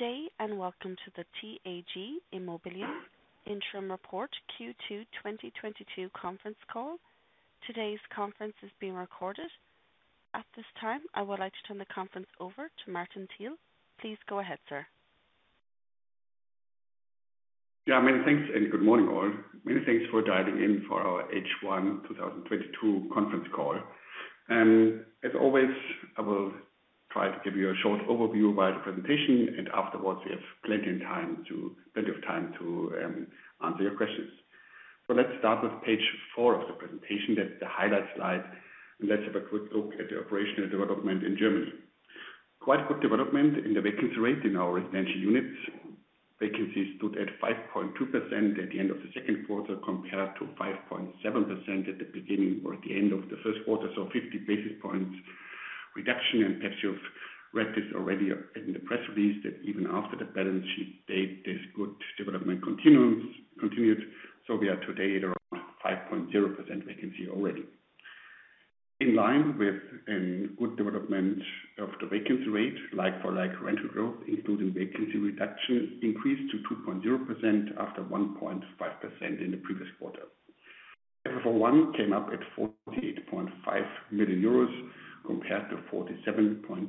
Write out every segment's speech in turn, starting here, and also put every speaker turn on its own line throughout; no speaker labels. Good day and welcome to the TAG Immobilien Interim Report Q2 2022 conference call. Today's conference is being recorded. At this time, I would like to turn the conference over to Martin Thiel. Please go ahead, sir.
Yeah, many thanks, and good morning all. Many thanks for dialing in for our H1 2022 conference call. As always, I will try to give you a short overview via the presentation, and afterwards, we have plenty of time to answer your questions. Let's start with page four of the presentation. That's the highlight slide. Let's have a quick look at the operational development in Germany. Quite good development in the vacancy rate in our residential units. Vacancy stood at 5.2% at the end of the 2nd quarter, compared to 5.7% at the beginning or at the end of the 1st quarter. 50 basis points reduction. Perhaps you've read this already in the press release that even after the balance sheet date, this good development continued, so we are today at around 5.0% vacancy already. In line with good development of the vacancy rate, like-for-like rental growth, including vacancy reduction increased to 2.0% after 1.5% in the previous quarter. FFO I came up at 48.5 million euros compared to 47.8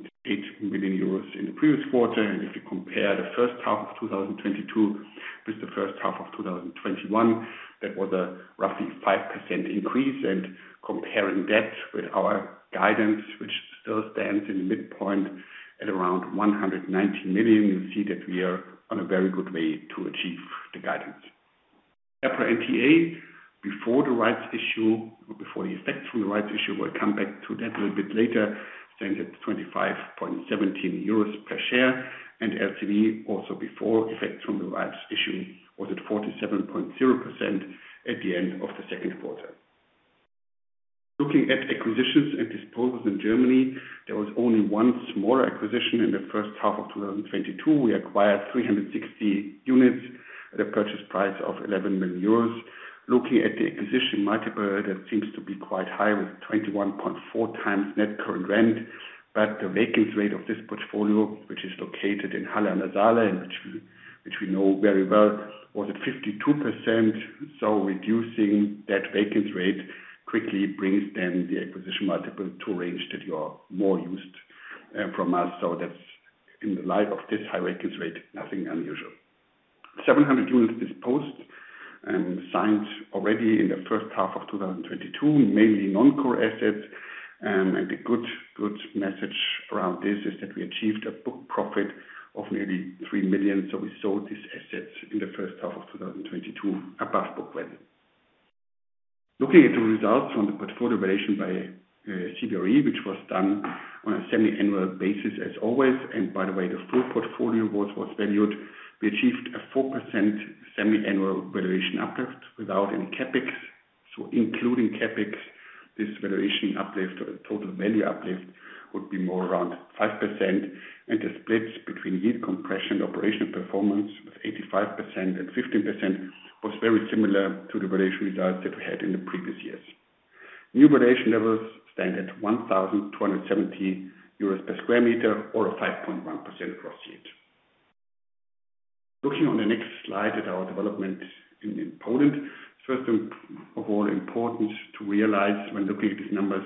million euros in the previous quarter. If you compare the first half of 2022 with the first half of 2021, that was a roughly 5% increase. Comparing that with our guidance, which still stands in the midpoint at around 119 million, you see that we are on a very good way to achieve the guidance. EPRA NTA, before the rights issue, before the effect from the rights issue, we'll come back to that a little bit later, stand at 25.17 euros per share. LTV, also before effect from the rights issue, was at 47.0% at the end of the 2nd quarter. Looking at acquisitions and disposals in Germany, there was only one smaller acquisition in the first half of 2022. We acquired 360 units at a purchase price of 11 million euros. Looking at the acquisition multiple, that seems to be quite high with 21.4x net current rent. But the vacancy rate of this portfolio, which is located in Halle (Saale), and which we know very well, was at 52%. Reducing that vacancy rate quickly brings then the acquisition multiple to a range that you are more used to from us. That's in light of this high vacancy rate, nothing unusual. 700 units disposed and signed already in the first half of 2022, mainly non-core assets. The good message around this is that we achieved a book profit of nearly 3 million. We sold these assets in the first half of 2022 above book value. Looking at the results from the portfolio valuation by CBRE, which was done on a semi-annual basis as always, and by the way, the full portfolio was valued. We achieved a 4% semi-annual valuation uplift without any CapEx. Including CapEx, this valuation uplift or total value uplift would be more around 5%. The splits between yield compression, operational performance with 85% and 15% was very similar to the valuation results that we had in the previous years. New valuation levels stand at 1,270 euros per sq m or a 5.1% gross yield. Looking on the next slide at our development in Poland. First of all important to realize when looking at these numbers,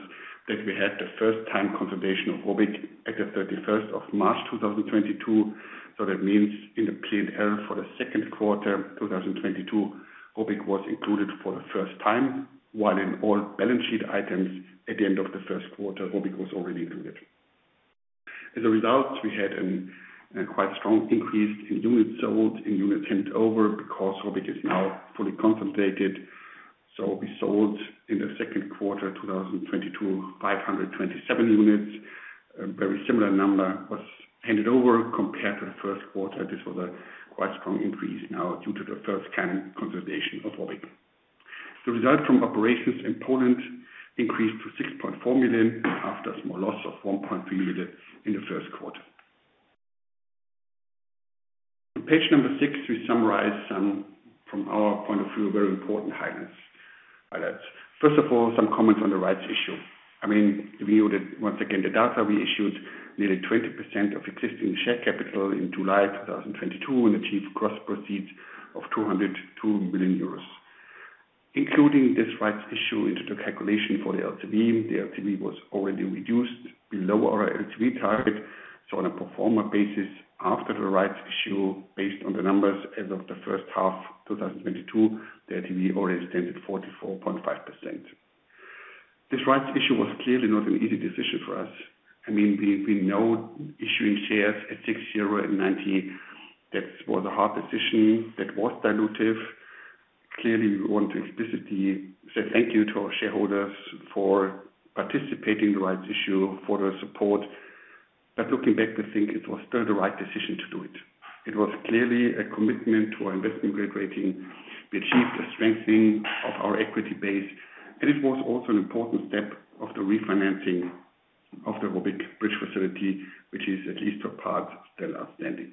that we had the first time consolidation of Robyg at the March 31, 2022. That means in the P&L for the 2nd quarter 2022, Robyg was included for the first time. While in all balance sheet items at the end of the 1st quarter, Robyg was already included. As a result, we had a quite strong increase in units sold, in units handed over because Robyg is now fully consolidated. We sold in the 2nd quarter, 2022, 527 units. A very similar number was handed over compared to the 1st quarter. This was a quite strong increase now due to the first time consolidation of Robyg. The result from operations in Poland increased to 6.4 million after a small loss of 1.3 million in the 1st quarter. On page six, we summarize some from our point of view, very important highlights. First of all, some comments on the rights issue. I mean, we noted once again the data we issued, nearly 20% of existing share capital in July 2022 and achieved gross proceeds of 202 million euros. Including this rights issue into the calculation for the LTV, the LTV was already reduced below our LTV target. On a pro forma basis, after the rights issue, based on the numbers as of the first half 2022, the LTV already stand at 44.5%. This rights issue was clearly not an easy decision for us. I mean, we know issuing shares at 6.90, that was a hard decision, that was dilutive. Clearly, we want to explicitly say thank you to our shareholders for participating in the rights issue, for their support. Looking back, I think it was still the right decision to do it. It was clearly a commitment to our investment-grade rating. We achieved a strengthening of our equity base, and it was also an important step of the refinancing of the Robyg bridge facility, which is at least a part still outstanding.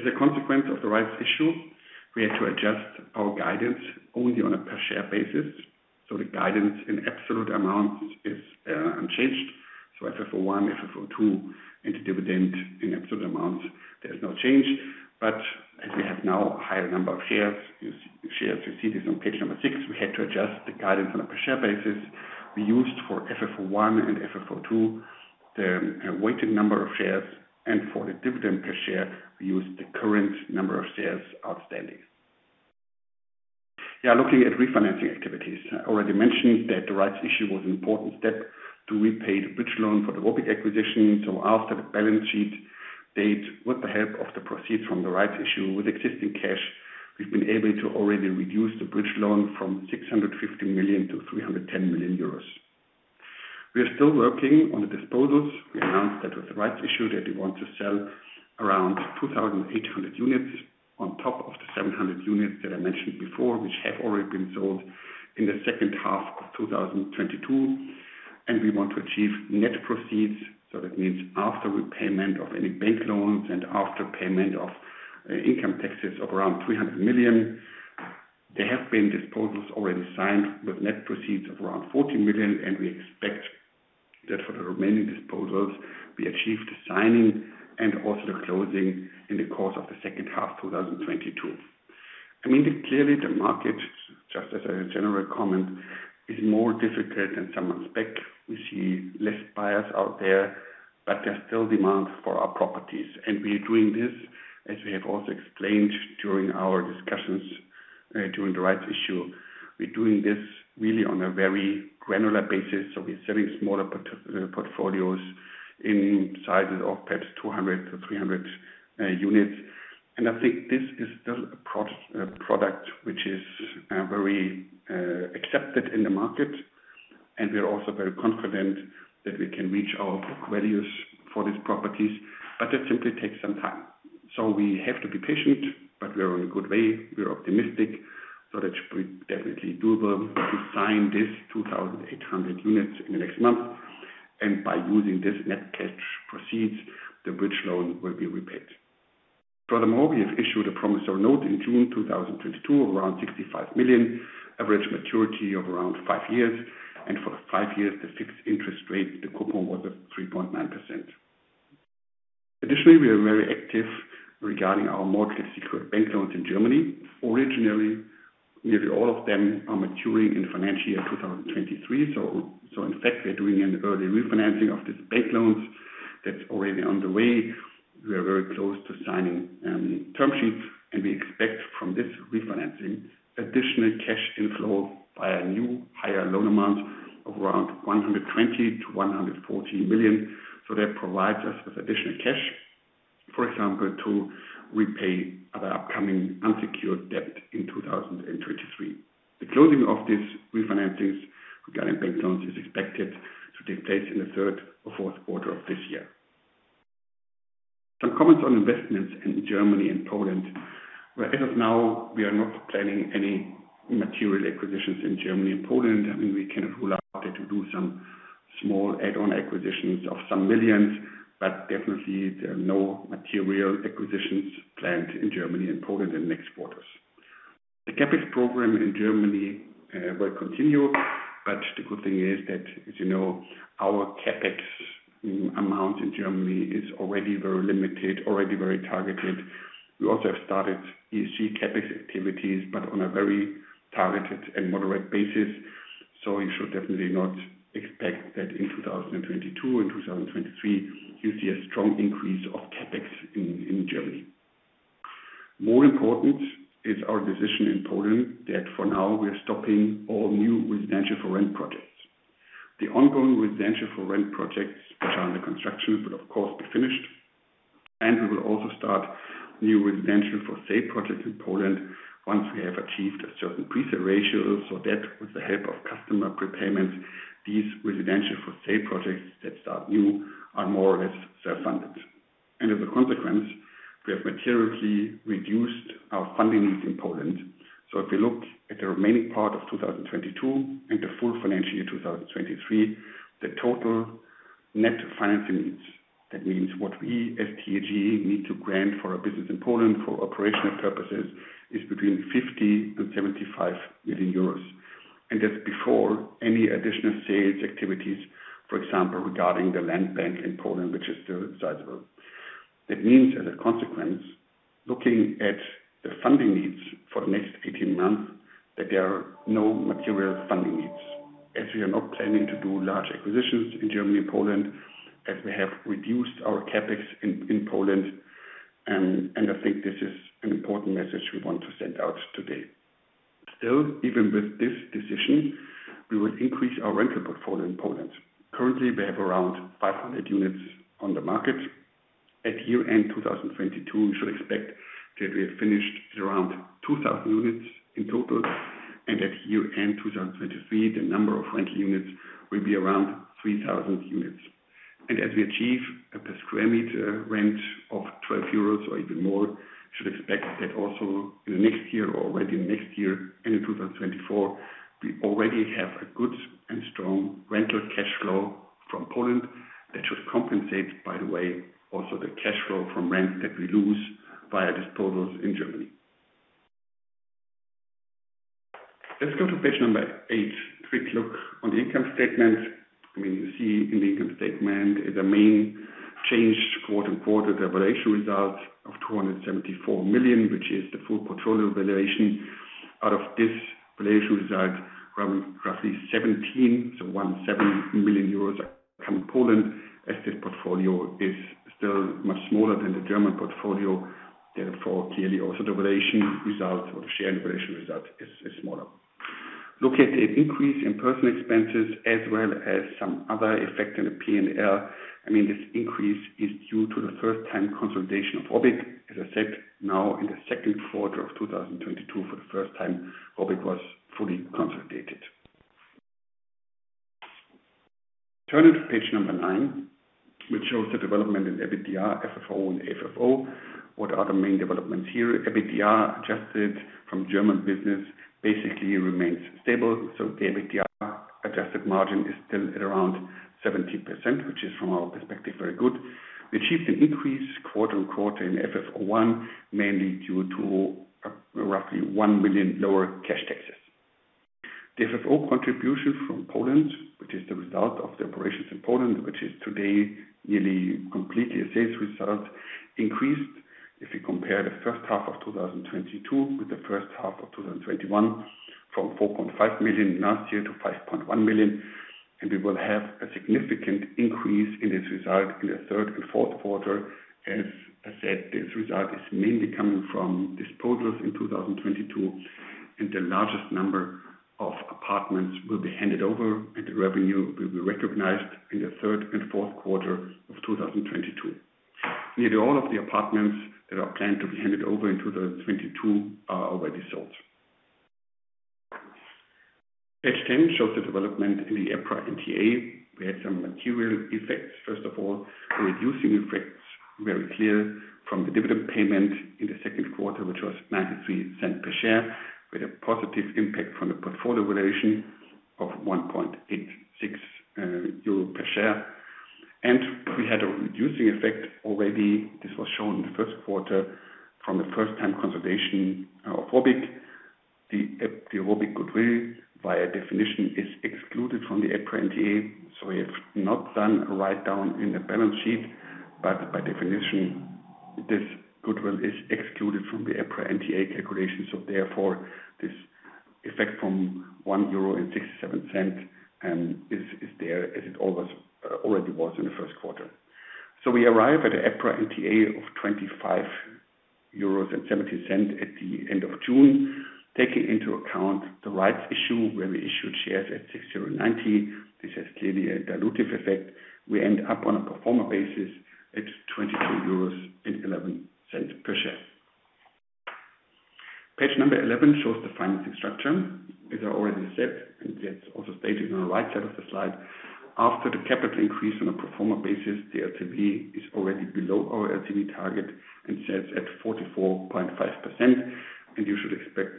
As a consequence of the rights issue, we had to adjust our guidance only on a per share basis. The guidance in absolute amount is unchanged. FFO I, FFO II and dividend in absolute amount, there is no change. As we have now a higher number of shares, your shares, you see this on page number 6, we had to adjust the guidance on a per share basis. We used for FFO I and FFO II the weighted number of shares. For the dividend per share, we used the current number of shares outstanding. Looking at refinancing activities. I already mentioned that the rights issue was an important step to repay the bridge loan for the Robyg acquisition. After the balance sheet date, with the help of the proceeds from the rights issue with existing cash, we've been able to already reduce the bridge loan from 650 million to 310 million euros. We are still working on the disposals. We announced that with the rights issue that we want to sell around 2,800 units on top of the 700 units that I mentioned before, which have already been sold in the second half of 2022. We want to achieve net proceeds, so that means after repayment of any bank loans and after payment of income taxes of around 300 million. There have been disposals already signed with net proceeds of around 40 million, and we expect that for the remaining disposals, we achieve the signing and also the closing in the course of the second half of 2022. I mean, clearly the market, just as a general comment, is more difficult than some expect. We see less buyers out there, but there's still demand for our properties. We're doing this, as we have also explained during our discussions during the rights issue. We're doing this really on a very granular basis, so we're selling smaller portfolios in sizes of perhaps 200-300 units. I think this is still a product which is very accepted in the market. We're also very confident that we can reach our values for these properties, but it simply takes some time. We have to be patient, but we are in a good way. We are optimistic. That should be definitely doable to sign these 2,800 units in the next month. By using this net cash proceeds, the bridge loan will be repaid. Furthermore, we have issued a promissory note in June 2022 of around 65 million, average maturity of around five years. For five years, the fixed interest rate, the coupon was at 3.9%. Additionally, we are very active regarding our mortgage secured bank loans in Germany. Originally, nearly all of them are maturing in financial year 2023. In fact, we are doing an early refinancing of these bank loans that's already on the way. We are very close to signing term sheets, and we expect from this refinancing additional cash inflow by a new higher loan amount of around 120 million-140 million. That provides us with additional cash, for example, to repay other upcoming unsecured debt in 2023. The closing of these refinancings regarding bank loans is expected to take place in the third or 4th quarter of this year. Some comments on investments in Germany and Poland, where as of now we are not planning any material acquisitions in Germany and Poland. I mean, we cannot rule out there to do some small add-on acquisitions of some millions, but definitely there are no material acquisitions planned in Germany and Poland in the next quarters. The CapEx program in Germany will continue. The good thing is that, as you know, our CapEx amount in Germany is already very limited, already very targeted. We also have started ESG CapEx activities, but on a very targeted and moderate basis. You should definitely not expect that in 2022 and 2023, you see a strong increase of CapEx in Germany. More important is our decision in Poland that for now we are stopping all new residential for rent projects. The ongoing residential for rent projects that are under construction will of course be finished, and we will also start new residential for sale projects in Poland once we have achieved a certain pre-sale ratio. that with the help of customer prepayments, these residential for sale projects that start new are more or less self-funded. as a consequence, we have materially reduced our funding needs in Poland. if you look at the remaining part of 2022 and the full financial year 2023, the total net financing needs, that means what we as TAG need to grant for our business in Poland for operational purposes is between 50 million-75 million euros. that's before any additional sales activities, for example, regarding the land bank in Poland, which is still sizable. That means as a consequence, looking at the funding needs for the next 18 months, that there are no material funding needs. As we are not planning to do large acquisitions in Germany and Poland, as we have reduced our CapEx in Poland, and I think this is an important message we want to send out today. Still, even with this decision, we will increase our rental portfolio in Poland. Currently, we have around 500 units on the market. At year-end 2022, we should expect that we have finished at around 2,000 units in total. At year-end 2023, the number of rental units will be around 3,000 units. As we achieve a per sq m rent of 12 euros or even more, we should expect that also in the next year or already next year and in 2024, we already have a good and strong rental cash flow from Poland that should compensate, by the way, also the cash flow from rents that we lose via disposals in Germany. Let's go to page number eight. Quick look on the income statement. I mean, you see in the income statement, the main change quarter-over-quarter, the valuation result of 274 million, which is the full portfolio valuation. Out of this valuation result, roughly 17, so 17 million euros are from Poland, as this portfolio is still much smaller than the German portfolio. Therefore, clearly also the valuation result or the share valuation result is smaller. Look at the increase in personal expenses as well as some other effect in the P&L. I mean, this increase is due to the first time consolidation of Vantage. As I said, now in the 2nd quarter of 2022, for the first time, Vantage was fully consolidated. Turning to page nine, which shows the development in EBITDA, FFO I and FFO II. What are the main developments here? EBITDA adjusted from German business basically remains stable. The EBITDA adjusted margin is still at around 70%, which is from our perspective, very good. We achieved an increase quarter-on-quarter in FFO I, mainly due to roughly 1 million lower cash taxes. The FFO contribution from Poland, which is the result of the operations in Poland, which is today nearly completely a sales result, increased. If you compare the first half of 2022 with the first half of 2021, from 4.5 million last year to 5.1 million. We will have a significant increase in this result in the 3rd and 4th quarter. As I said, this result is mainly coming from disposals in 2022, and the largest number of apartments will be handed over, and the revenue will be recognized in the 3rd and 4th quarter of 2022. Nearly all of the apartments that are planned to be handed over in 2022 are already sold. Page ten shows the development in the EPRA NTA. We had some material effects. First of all, reducing effects very clear from the dividend payment in the 2nd quarter, which was 0.93 EUR per share, with a positive impact from the portfolio valuation of 1.86 euro per share. We had a reducing effect already. This was shown in the 1st quarter from the first-time consolidation of Robyg. The Robyg goodwill by definition is excluded from the EPRA NTA, so we have not done a write-down in the balance sheet. By definition, this goodwill is excluded from the EPRA NTA calculation. Therefore, this effect from 1.67 euro is there as it always already was in the 1st quarter. We arrive at an EPRA NTA of 25.70 euros at the end of June, taking into account the rights issue where we issued shares at 6.90. This has clearly a dilutive effect. We end up on a pro forma basis at 22.11 euros per share. Page 11 shows the financing structure. As I already said, and that's also stated on the right side of the slide. After the capital increase on a pro forma basis, the LTV is already below our LTV target and sets at 44.5%. You should expect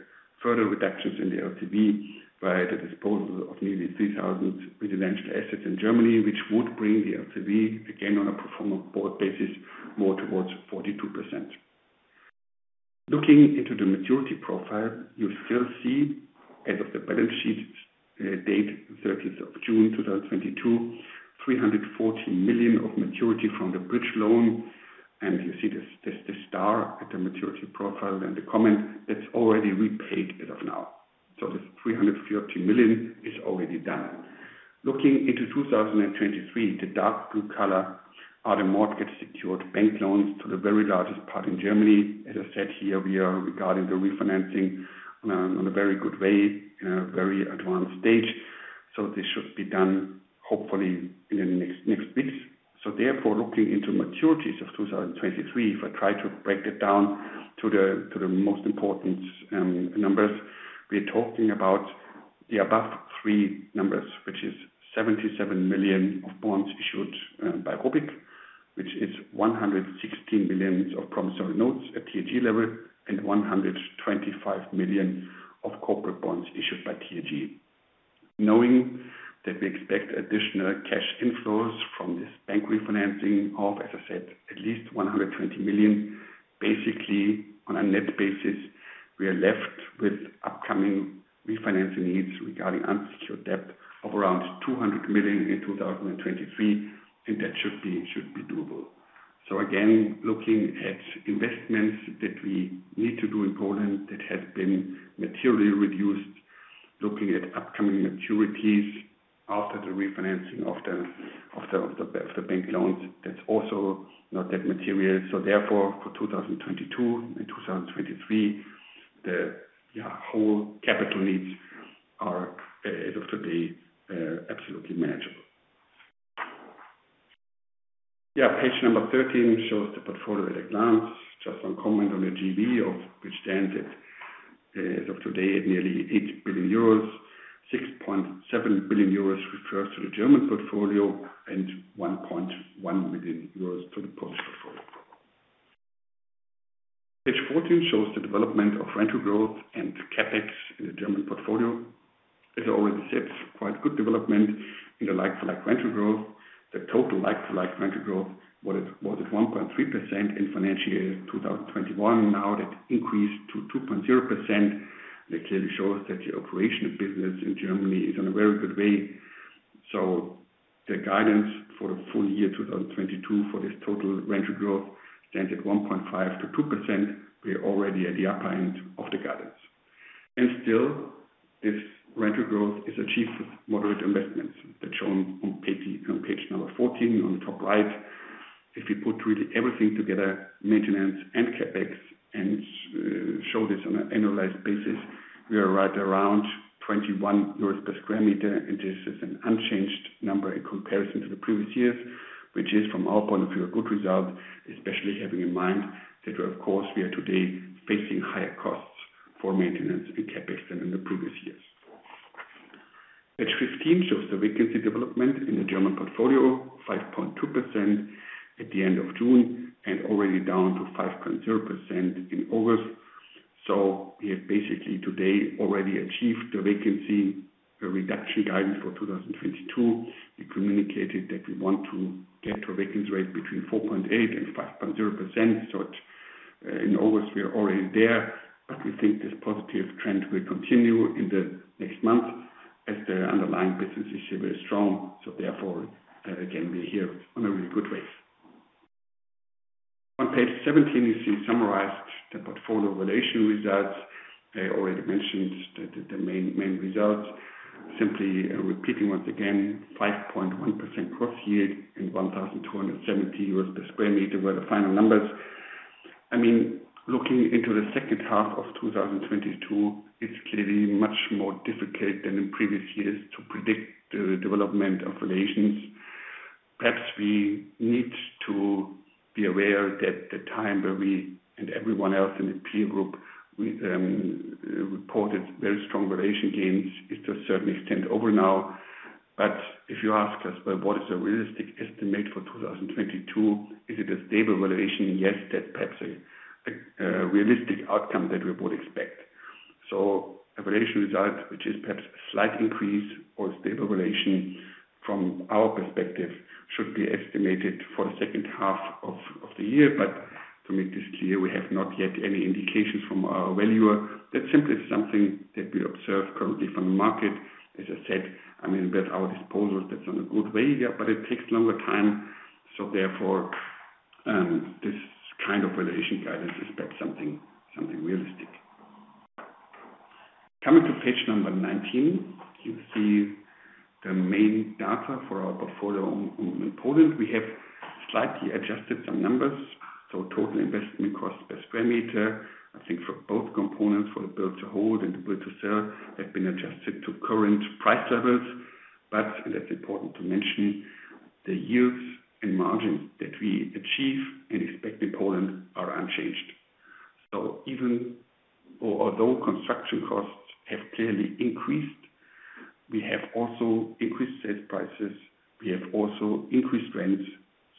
further reductions in the LTV via the disposal of nearly 3,000 residential assets in Germany, which would bring the LTV again on a pro forma basis, more towards 42%. Looking into the maturity profile, you still see as of the balance sheet date June 30, 2022, 314 million of maturity from the bridge loan. You see this star at the maturity profile and the comment that's already repaid as of now. This 314 million is already done. Looking into 2023, the dark blue color are the mortgage secured bank loans to the very largest part in Germany. As I said here, we are regarding the refinancing on a very good way, in a very advanced stage. This should be done hopefully in the next weeks. Therefore, looking into maturities of 2023, if I try to break it down to the most important numbers. We are talking about the above three numbers, which is 77 million of bonds issued by ROBIC, which is 116 million of promissory notes at TAG level, and 125 million of corporate bonds issued by TAG. Knowing that we expect additional cash inflows from this bank refinancing of, as I said, at least 120 million. Basically, on a net basis, we are left with upcoming refinancing needs regarding unsecured debt of around 200 million in 2023, and that should be doable. Again, looking at investments that we need to do in Poland that have been materially reduced. Looking at upcoming maturities after the refinancing of the bank loans, that's also not that material. Therefore, for 2022 and 2023, the whole capital needs are, as of today, absolutely manageable. Page number 13 shows the portfolio at a glance. Just one comment on the GAV, which stands at, as of today, nearly 8 billion euros. 6.7 billion euros refers to the German portfolio and 1.1 million euros to the Polish portfolio. Page 14 shows the development of rental growth and CapEx in the German portfolio. As I already said, quite good development in the like-for-like rental growth. The total like-for-like rental growth was at 1.3% in financial year 2021. Now that increased to 2.0%. That clearly shows that the operation of business in Germany is in a very good way. The guidance for the full year 2022 for this total rental growth stands at 1.5%-2%. We are already at the upper end of the guidance. Still this rental growth is achieved with moderate investments that shown on page 14 on the top right. If we put really everything together, maintenance and CapEx, and show this on an annualized basis, we are right around 21 euros per sq m. This is an unchanged number in comparison to the previous years, which is from our point of view, a good result, especially having in mind that of course, we are today facing higher costs for maintenance and CapEx than in the previous years. Page 15 shows the vacancy development in the German portfolio, 5.2% at the end of June and already down to 5.0% in August. We have basically today already achieved the vacancy reduction guidance for 2022. We communicated that we want to get to a vacancy rate between 4.8% and 5.0%. In August, we are already there, but we think this positive trend will continue in the next months as the underlying business is still very strong. Therefore, again, we're here on a really good way. On page 17, you see summarized the portfolio valuation results. I already mentioned the main results. Simply repeating once again, 5.1% gross yield and 1,270 euros per sq m were the final numbers. I mean, looking into the second half of 2022, it's clearly much more difficult than in previous years to predict the development of valuations. Perhaps we need to be aware that the time where we, and everyone else in the peer group, reported very strong valuation gains is to a certain extent over now. If you ask us, well, what is a realistic estimate for 2022? Is it a stable valuation? Yes, that's perhaps a realistic outcome that we would expect. A valuation result, which is perhaps a slight increase or stable valuation from our perspective, should be estimated for the second half of the year. To make this clear, we have not yet any indications from our valuer. That's simply something that we observe currently from the market. As I said, I mean, with our disposals, that's on a good way, yeah, but it takes longer time. Therefore, this kind of valuation guidance is perhaps something realistic. Coming to page number 19, you see the main data for our portfolio in Poland. We have slightly adjusted some numbers. Total investment cost per sq m, I think for both components, for the build-to-hold and the build-to-sell, have been adjusted to current price levels. And that's important to mention, the yields and margins that we achieve and expect in Poland are unchanged. Even, although construction costs have clearly increased, we have also increased sales prices. We have also increased rents.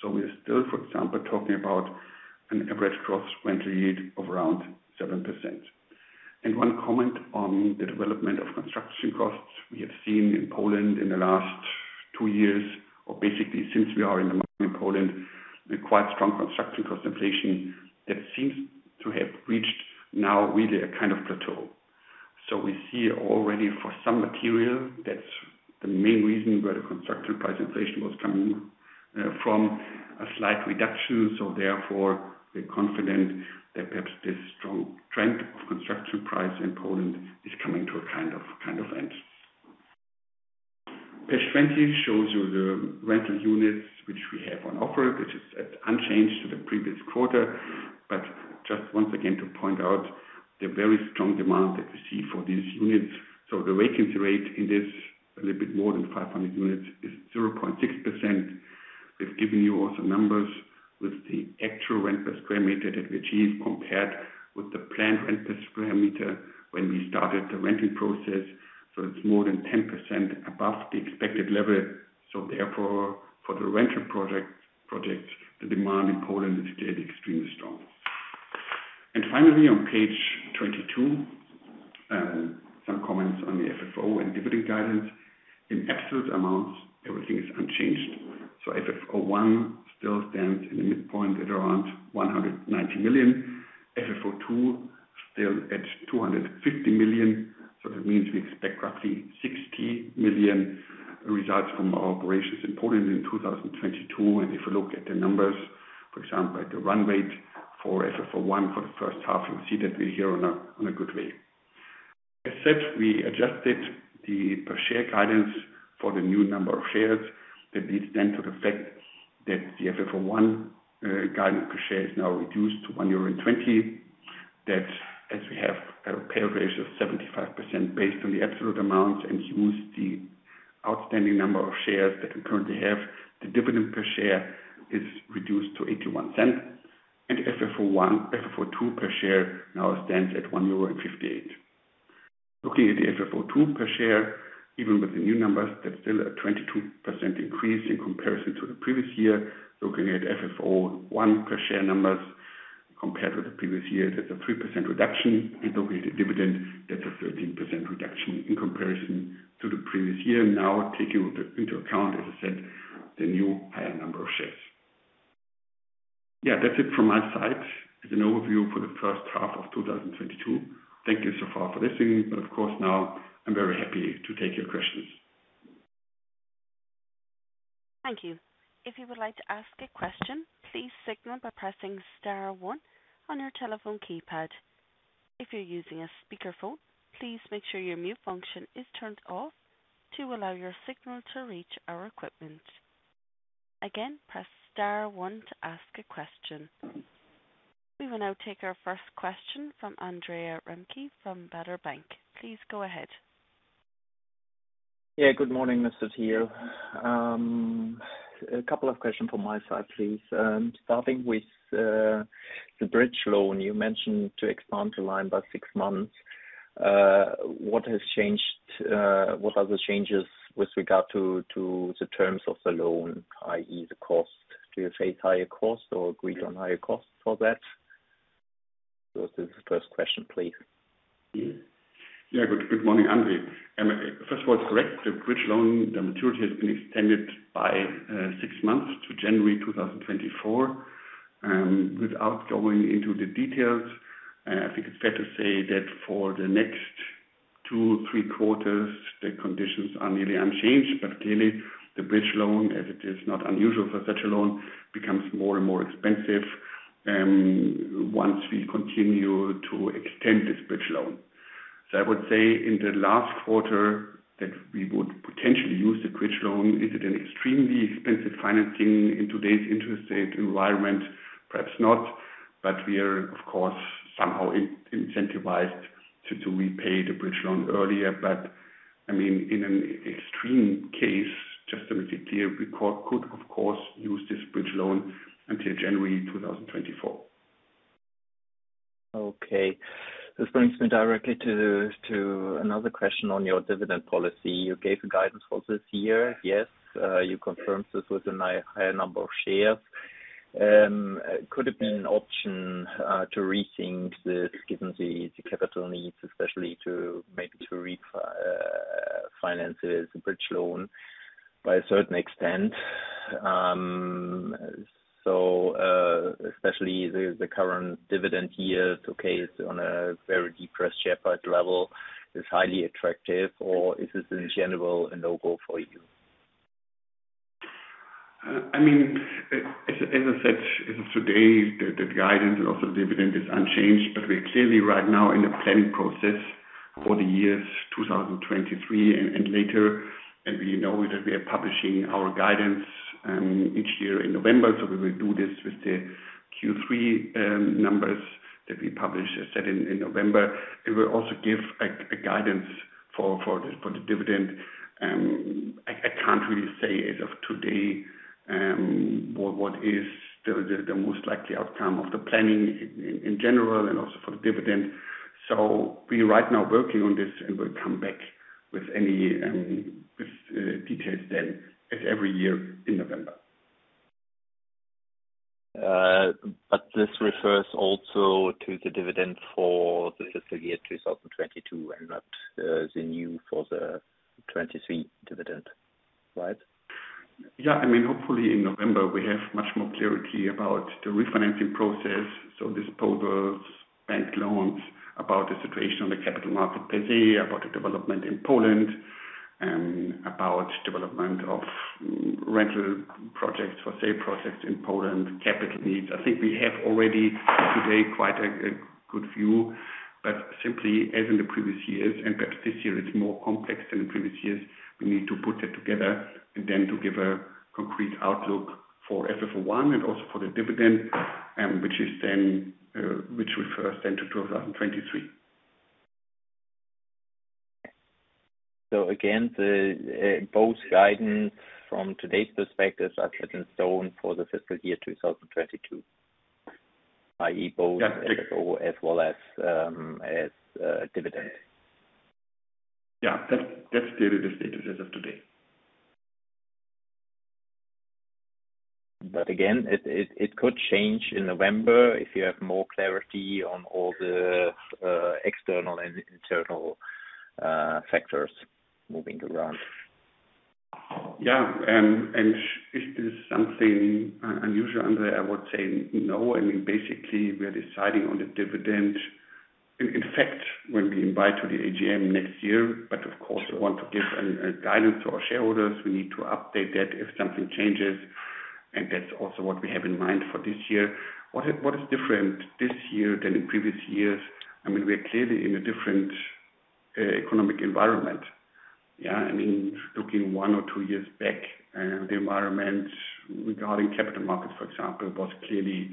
We are still, for example, talking about an average gross rental yield of around 7%. And one comment on the development of construction costs. We have seen in Poland in the last two years, or basically since we are in the market in Poland, a quite strong construction cost inflation that seems to have reached now really a kind of plateau. We see already for some material, that's the main reason where the construction price inflation was coming from, a slight reduction. Therefore we're confident that perhaps this strong trend of construction price in Poland is coming to a kind of end. Page 20 shows you the rental units which we have on offer, which is unchanged to the previous quarter. Just once again to point out the very strong demand that we see for these units. The vacancy rate in this, a little bit more than 500 units, is 0.6%. We've given you also numbers with the actual rent per sq m that we achieve compared with the planned rent per sq m when we started the renting process. It's more than 10% above the expected level. For the rental project, the demand in Poland is still extremely strong. Finally, on page 22, some comments on the FFO and dividend guidance. In absolute amounts, everything is unchanged. FFO I still stands in the midpoint at around 190 million. FFO II still at 250 million. That means we expect roughly 60 million results from our operations in Poland in 2022. If you look at the numbers, for example, at the run rate for FFO I for the first half, you'll see that we're here on a good way. As said, we adjusted the per share guidance for the new number of shares. That leads then to the fact that the FFO I guidance per share is now reduced to 1.20 euro. That as we have a payout ratio of 75% based on the absolute amount and use the outstanding number of shares that we currently have, the dividend per share is reduced to 0.81. FFO I, FFO II per share now stands at 1.58 euro. Looking at the FFO II per share, even with the new numbers, that's still a 22% increase in comparison to the previous year. Looking at FFO I per share numbers compared to the previous year, that's a 3% reduction, including the dividend, that's a 13% reduction in comparison to the previous year. Now taking into account, as I said, the new higher number of shares. Yeah, that's it from my side as an overview for the first half of 2022. Thank you so far for listening, but of course, now I'm very happy to take your questions.
Thank you. If you would like to ask a question, please signal by pressing star one on your telephone keypad. If you're using a speakerphone, please make sure your mute function is turned off to allow your signal to reach our equipment. Again, press star one to ask a question. We will now take our first question from Andre Remke from Baader Bank. Please go ahead.
Yeah. Good morning, Mr. Thiel. A couple of questions from my side, please. Starting with the bridge loan. You mentioned to expand the line by six months. What has changed? What are the changes with regard to the terms of the loan, i.e. the cost? Do you face higher costs or agreed on higher costs for that? This is the first question, please.
Yeah, good morning, Andre. First of all, it's correct. The bridge loan, the maturity has been extended by six months to January 2024. Without going into the details, I think it's fair to say that for the next two, three quarters, the conditions are nearly unchanged. Clearly the bridge loan, as it is not unusual for such a loan, becomes more and more expensive, once we continue to extend this bridge loan. I would say in the last quarter that we would potentially use the bridge loan. Is it an extremely expensive financing in today's interest rate environment? Perhaps not, but we are of course somehow incentivized to repay the bridge loan earlier. I mean, in an extreme case, just to make it clear, we could of course use this bridge loan until January 2024.
This brings me directly to another question on your dividend policy. You gave a guidance for this year. Yes. You confirmed this with a higher number of shares. Could it be an option to rethink this given the capital needs especially to maybe finance this bridge loan by a certain extent? Especially the current dividend yield to cash in on a very depressed share price level is highly attractive, or is this in general a no-go for you?
I mean, as I said, as of today, the guidance and also the dividend is unchanged. We're clearly right now in the planning process for the years 2023 and later, and we know that we are publishing our guidance each year in November. We will do this with the Q3 numbers that we publish as said in November. It will also give a guidance for the dividend. I can't really say as of today, what is the most likely outcome of the planning in general and also for the dividend. We right now working on this and we'll come back with any details then as every year in November.
This refers also to the dividend for the fiscal year 2022 and not the new for the 2023 dividend, right?
I mean, hopefully in November we have much more clarity about the refinancing process. Disposals, bank loans, about the situation on the capital market per se, about the development in Poland, about development of rental projects for sale projects in Poland, capital needs. I think we have already today quite a good view. Simply as in the previous years, and perhaps this year it's more complex than the previous years, we need to put that together and then to give a concrete outlook for FFO I and also for the dividend, which refers then to 2023.
Again, the both guidance from today's perspective are set in stone for the fiscal year 2022, i.e. both
Yeah.
FFO as well as dividend.
That's clearly the status as of today.
Again, it could change in November if you have more clarity on all the external and internal factors moving around.
Yeah. Is this something unusual, Andre? I would say no. I mean, basically we are deciding on the dividend in fact when we invite to the AGM next year. Of course we want to give a guidance to our shareholders. We need to update that if something changes, and that's also what we have in mind for this year. What is different this year than in previous years? I mean, we are clearly in a different economic environment. Yeah. I mean, looking one or two years back, the environment regarding capital markets, for example, was clearly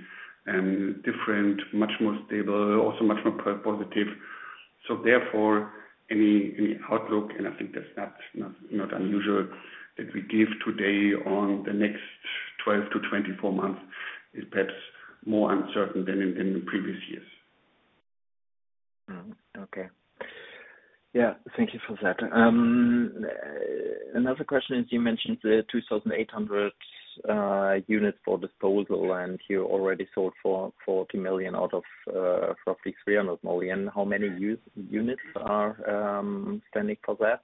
different, much more stable, also much more positive. Therefore any outlook, and I think that's not unusual that we give today on the next 12-24 months is perhaps more uncertain than in the previous years.
Okay. Yeah, thank you for that. Another question is, you mentioned the 2,800 units for disposal and you already sold for 40 million out of roughly 300 million. How many units are standing for that?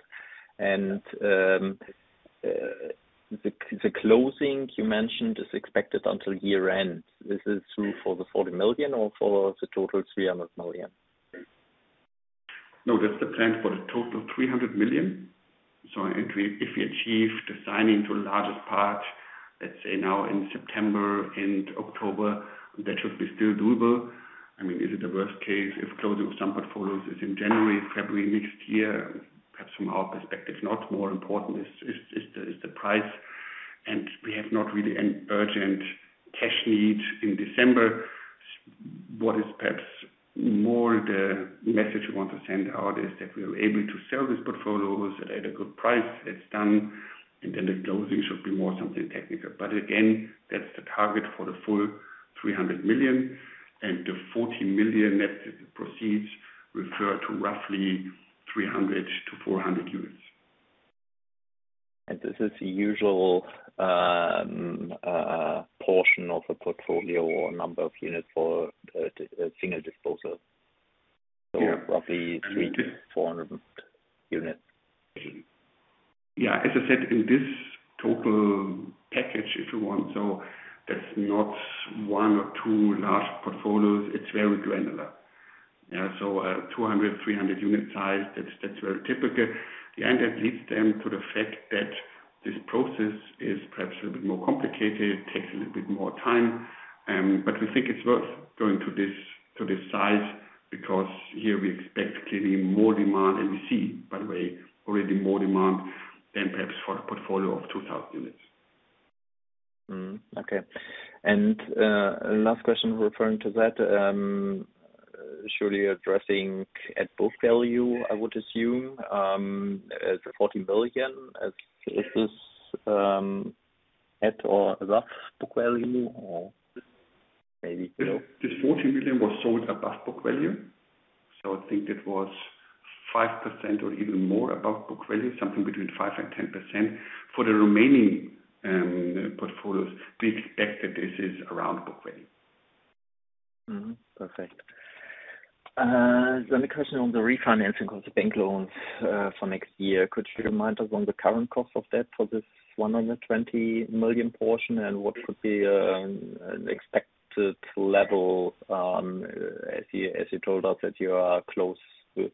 The closing you mentioned is expected until year end. This is true for the 40 million or for the total 300 million?
No, that's the plan for the total 300 million. If we achieve the signing to the largest part, let's say now in September and October, that should be still doable. I mean, is it the worst case if closing some portfolios is in January, February next year? Perhaps from our perspective, not more important is the price, and we have not really an urgent cash need in December. What is perhaps more the message we want to send out is that we are able to sell these portfolios at a good price. It's done, and then the closing should be more something technical. Again, that's the target for the full 300 million and the 40 million net proceeds refer to roughly 300-400 units.
This is the usual portion of a portfolio or number of units for a single disposal.
Yeah.
Roughly 300-400 units.
Yeah. As I said, in this total package, if you want, so that's not one or two large portfolios. It's very granular. Yeah, so, 200-300 unit size, that's very typical. That leads them to the fact that this process is perhaps a little bit more complicated, takes a little bit more time. We think it's worth going to this size because here we expect clearly more demand. We see, by the way, already more demand than perhaps for a portfolio of 2,000 units.
Mm-hmm. Okay. Last question referring to that, surely addressing at book value, I would assume, as 40 billion as is this, at or above book value or maybe below?
This 40 billion was sold above book value. I think that was 5% or even more above book value, something between 5% and 10%. For the remaining portfolios, we expect that this is around book value.
Perfect. The question on the refinancing of the bank loans for next year. Could you remind us on the current cost of debt for this 120 million portion? What would be an expected level as you told us that you are close to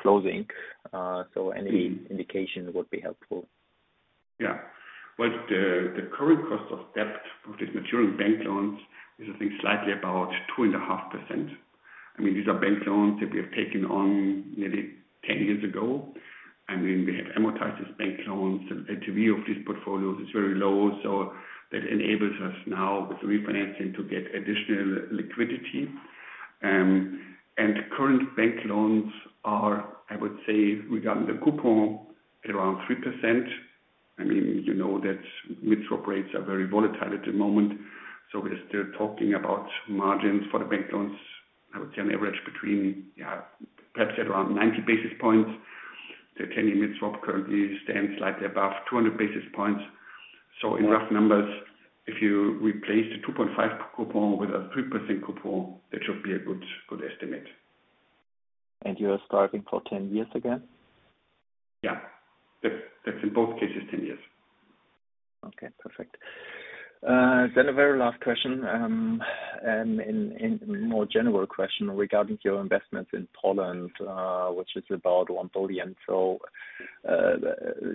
closing? Any indication would be helpful.
Yeah. Well, the current cost of debt of these maturing bank loans is I think slightly above 2.5%. I mean, these are bank loans that we have taken on nearly 10 years ago, and then we have amortized these bank loans. The LTV of these portfolios is very low, so that enables us now with the refinancing to get additional liquidity. Current bank loans are, I would say, regarding the coupon, around 3%. I mean, you know that mid-swap rates are very volatile at the moment, so we're still talking about margins for the bank loans. I would say on average between perhaps at around 90 basis points. The 10-year mid-swap currently stands slightly above 200 basis points. In rough numbers, if you replace the 2.5 coupon with a 3% coupon, that should be a good estimate.
You are striving for 10 years again?
Yeah. That's in both cases 10 years.
Okay. Perfect. A very last and more general question regarding your investments in Poland, which is about 1 billion.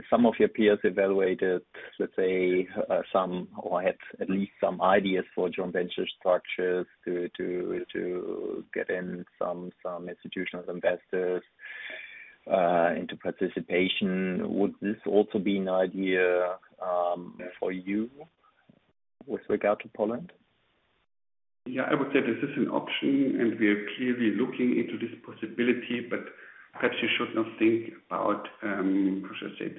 Some of your peers evaluated, let's say, some or had at least some ideas for joint venture structures to get in some institutional investors into participation. Would this also be an idea for you with regard to Poland?
Yeah, I would say this is an option and we are clearly looking into this possibility. Perhaps you should not think about, how should I say it,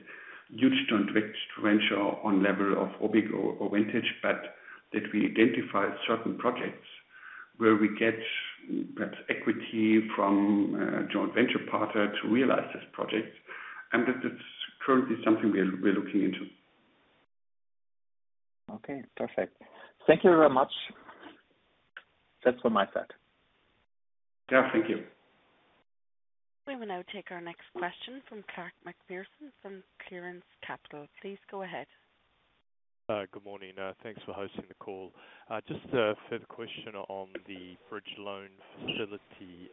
huge joint venture on level of Robyg or Vantage, but that we identify certain projects where we get perhaps equity from a joint venture partner to realize this project, and that is currently something we're looking into.
Okay. Perfect. Thank you very much. That's all my side.
Yeah. Thank you.
We will now take our next question from Clarke McPherson from Clearance Capital. Please go ahead.
Good morning. Thanks for hosting the call. Just a further question on the bridge loan facility,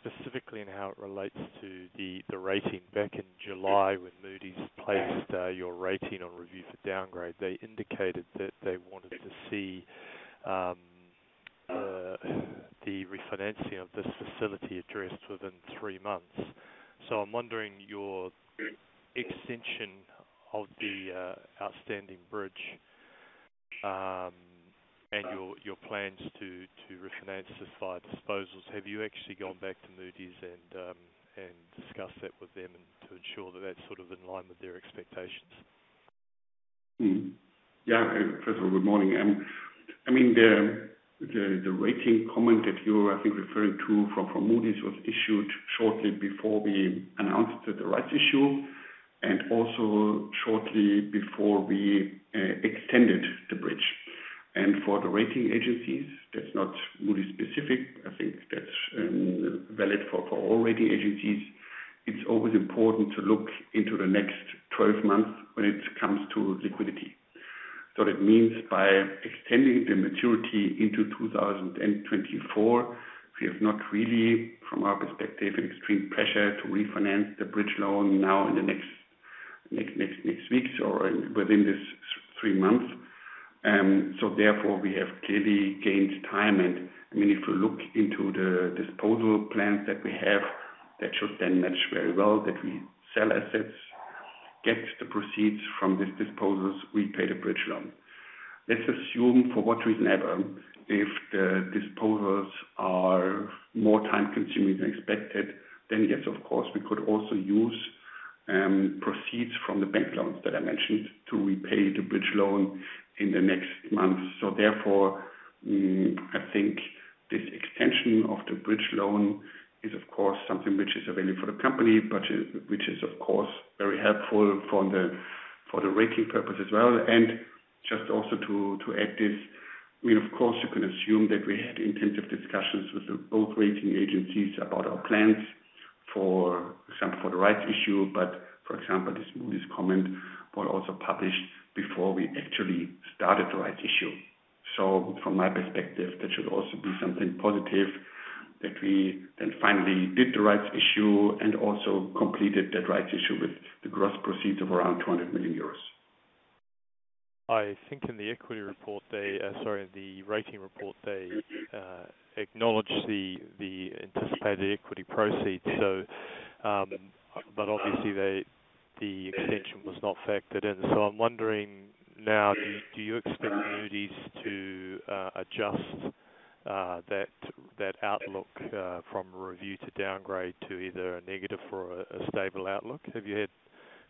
specifically in how it relates to the rating. Back in July, when Moody's placed your rating on review for downgrade, they indicated that they wanted to see the refinancing of this facility addressed within three months. I'm wondering your extension of the outstanding bridge and your plans to refinance this via disposals. Have you actually gone back to Moody's and discussed that with them and to ensure that that's sort of in line with their expectations?
Yeah. First of all, good morning. I mean, the rating comment that you were, I think, referring to from Moody's was issued shortly before we announced the rights issue and also shortly before we extended the bridge. For the rating agencies, that's not Moody's specific. I think that's valid for all rating agencies. It's always important to look into the next 12 months when it comes to liquidity. That means by extending the maturity into 2024, we have not really, from our perspective, extreme pressure to refinance the bridge loan now in the next weeks or within this three months. Therefore, we have clearly gained time. I mean, if you look into the disposal plans that we have, that should then match very well, that we sell assets, get the proceeds from these disposals, repay the bridge loan. Let's assume for what reason ever, if the disposals are more time-consuming than expected, then yes, of course, we could also use proceeds from the bank loans that I mentioned to repay the bridge loan in the next months. Therefore, I think this extension of the bridge loan is of course something which is available for the company, but which is of course very helpful for the rating purpose as well. Just also to add this, we of course, you can assume that we had intensive discussions with both rating agencies about our plans for the rights issue. For example, this Moody's comment was also published before we actually started the rights issue. From my perspective, that should also be something positive that we then finally did the rights issue and also completed that rights issue with the gross proceeds of around 200 million euros.
I think in the rating report, they acknowledge the anticipated equity proceeds. But obviously, the extension was not factored in. I'm wondering now, do you expect Moody's to adjust that outlook from review to downgrade to either a negative or a stable outlook? Have you had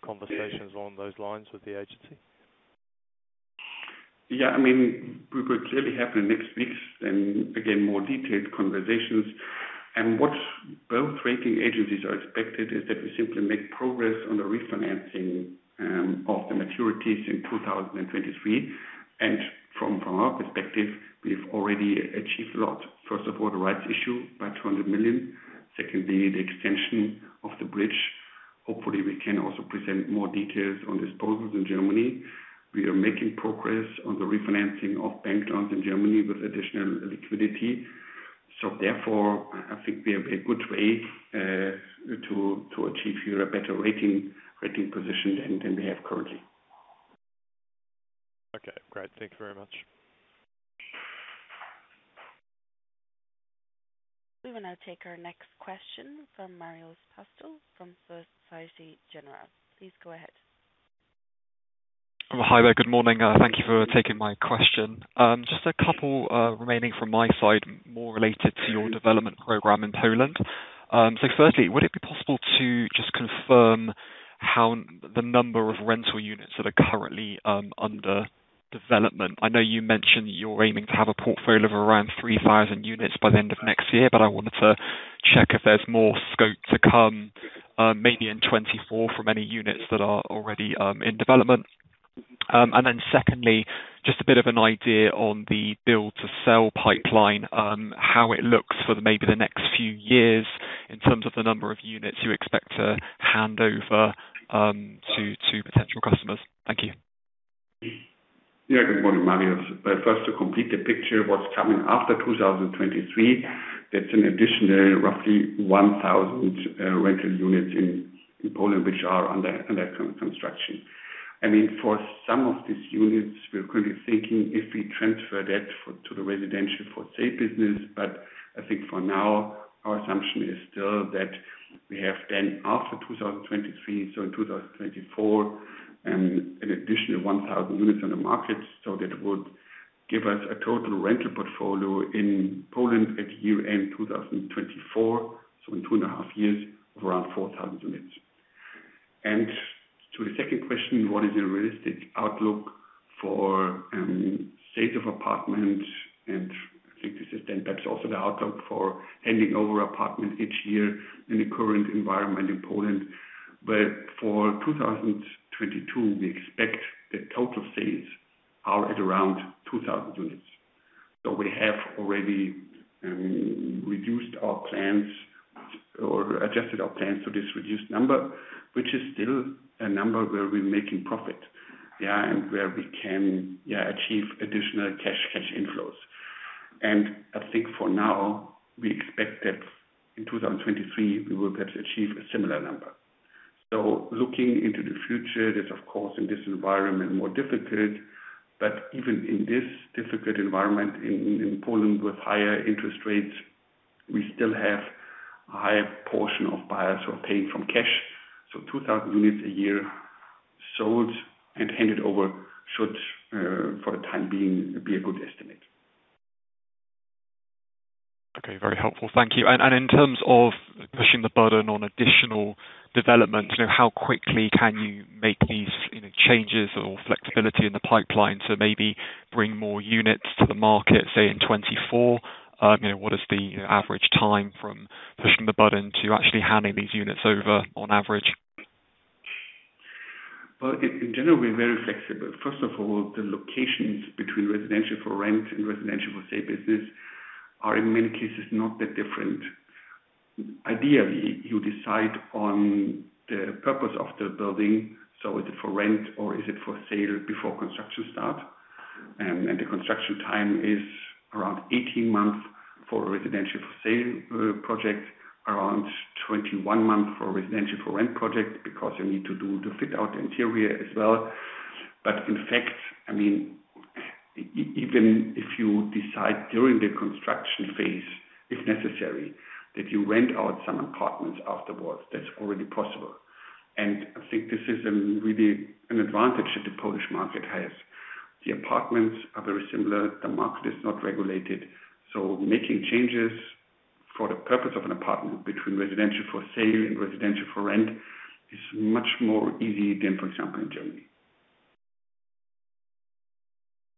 conversations along those lines with the agency?
Yeah. I mean, we will clearly have in the next weeks then, again, more detailed conversations. What both rating agencies are expected is that we simply make progress on the refinancing of the maturities in 2023. From our perspective, we've already achieved a lot. First of all, the rights issue by 200 million. Secondly, the extension of the bridge. Hopefully, we can also present more details on disposals in Germany. We are making progress on the refinancing of bank loans in Germany with additional liquidity. Therefore, I think we are in a good way to achieve here a better rating position than we have currently.
Okay, great. Thank you very much.
We will now take our next question from Marios Pastou from Bernstein/Société Générale. Please go ahead.
Hi there. Good morning. Thank you for taking my question. Just a couple remaining from my side, more related to your development program in Poland. Firstly, would it be possible to just confirm how the number of rental units that are currently under development? I know you mentioned you're aiming to have a portfolio of around 3,000 units by the end of next year, but I wanted to check if there's more scope to come, maybe in 2024 from any units that are already in development. Secondly, just a bit of an idea on the build-to-sell pipeline, how it looks for maybe the next few years in terms of the number of units you expect to hand over to potential customers. Thank you.
Yeah. Good morning, Marios. First, to complete the picture, what's coming after 2023, that's an additional roughly 1,000 rental units in Poland, which are under construction. I mean, for some of these units, we're currently thinking if we transfer that for, to the residential for sale business. But I think for now, our assumption is still that we have then after 2023, so in 2024, an additional 1,000 units on the market. That would give us a total rental portfolio in Poland at year end 2024, so in two and a half years of around 4,000 units. To the second question, what is a realistic outlook for state of apartment? I think this is then perhaps also the outlook for handing over apartments each year in the current environment in Poland. For 2022, we expect the total sales are at around 2,000 units. We have already reduced our plans or adjusted our plans to this reduced number, which is still a number where we're making profit, and where we can achieve additional cash inflows. I think for now we expect that in 2023 we will perhaps achieve a similar number. Looking into the future, that's of course in this environment more difficult. Even in this difficult environment in Poland with higher interest rates, we still have a higher portion of buyers who are paying from cash. 2,000 units a year sold and handed over should, for the time being, be a good estimate.
Okay, very helpful. Thank you. In terms of pushing the button on additional development, you know, how quickly can you make these, you know, changes or flexibility in the pipeline to maybe bring more units to the market, say in 2024? You know, what is the, you know, average time from pushing the button to actually handing these units over on average?
Well, in general, we're very flexible. First of all, the locations between residential for rent and residential for sale business are in many cases not that different. Ideally, you decide on the purpose of the building, so is it for rent or is it for sale before construction start. The construction time is around 18 months for a residential for sale project, around 21 months for a residential for rent project, because you need to do the fit out interior as well. In fact, I mean, even if you decide during the construction phase, if necessary, that you rent out some apartments afterwards, that's already possible. I think this is really an advantage that the Polish market has. The apartments are very similar. The market is not regulated, so making changes for the purpose of an apartment between residential for sale and residential for rent is much more easy than, for example, in Germany.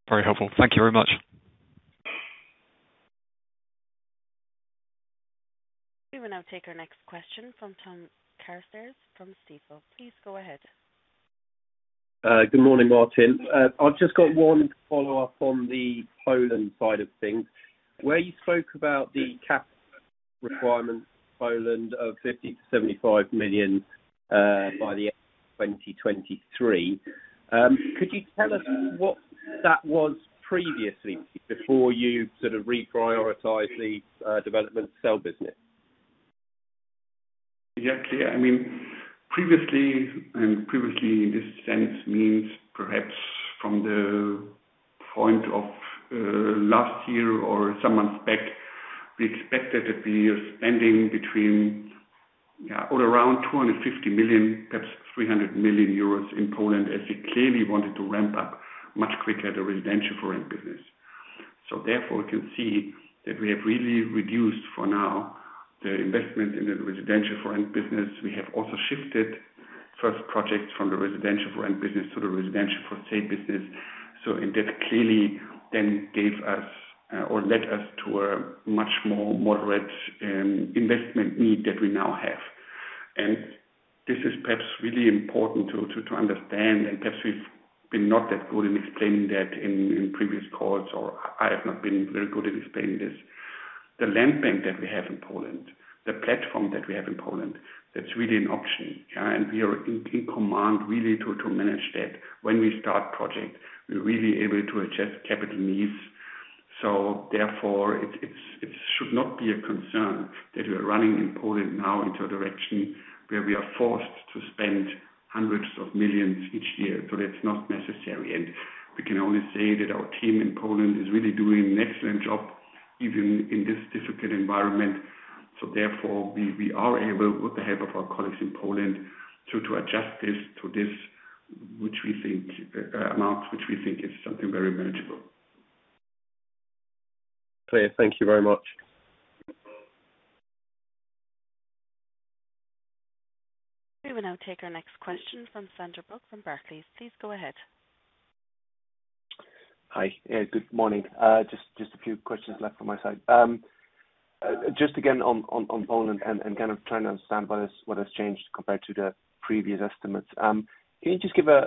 Very helpful. Thank you very much.
We will now take our next question from Tom Carstairs from Stifel. Please go ahead.
Good morning, Martin. I've just got one follow-up on the Poland side of things. Where you spoke about the CapEx requirements in Poland of 50-75 million by the end of 2023, could you tell us what that was previously before you sort of reprioritized the development-to-sell business?
Exactly. I mean, previously, in this sense, perhaps from the point of last year or some months back, we expected that we are spending between or around 250 million, perhaps 300 million euros in Poland, as we clearly wanted to ramp up much quicker the residential for rent business. Therefore, you can see that we have really reduced for now the investment in the residential for rent business. We have also shifted first projects from the residential for rent business to the residential for sale business. That clearly then gave us or led us to a much more moderate investment need that we now have. This is perhaps really important to understand, and perhaps we've been not that good in explaining that in previous calls, or I have not been very good at explaining this. The land bank that we have in Poland, the platform that we have in Poland, that's really an option. We are in command really to manage that. When we start project, we're really able to adjust capital needs. Therefore it should not be a concern that we are running in Poland now into a direction where we are forced to spend hundreds of millions EUR each year. That's not necessary. We can only say that our team in Poland is really doing an excellent job, even in this difficult environment. Therefore, we are able with the help of our colleagues in Poland to adjust this to this, which we think is something very manageable.
Clear. Thank you very much.
We will now take our next question from Sander van der Borch from Barclays. Please go ahead.
Hi. Yeah, good morning. Just a few questions left from my side. Just again on Poland and kind of trying to understand what has changed compared to the previous estimates. Can you just give a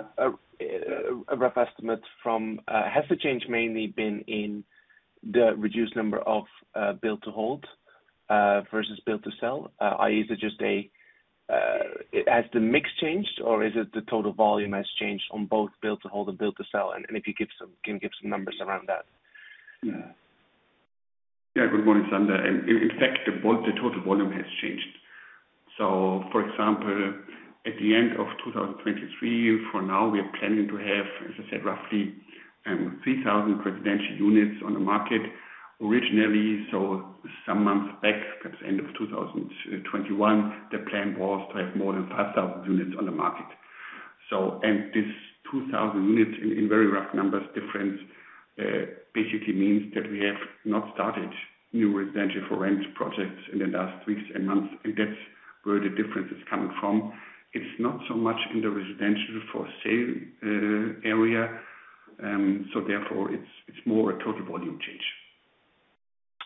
rough estimate has the change mainly been in the reduced number of build-to-hold versus build-to-sell? Is it just has the mix changed or is it the total volume has changed on both build-to-hold and build-to-sell? If you can give some numbers around that.
Yeah. Yeah. Good morning, Sander. In fact, the total volume has changed. For example, at the end of 2023, for now we are planning to have, as I said, roughly 3,000 residential units on the market. Originally, some months back, perhaps end of 2021, the plan was to have more than 5,000 units on the market. This 2,000 units in very rough numbers difference basically means that we have not started new residential for rent projects in the last weeks and months. That's where the difference is coming from. It's not so much in the residential for sale area. Therefore it's more a total volume change.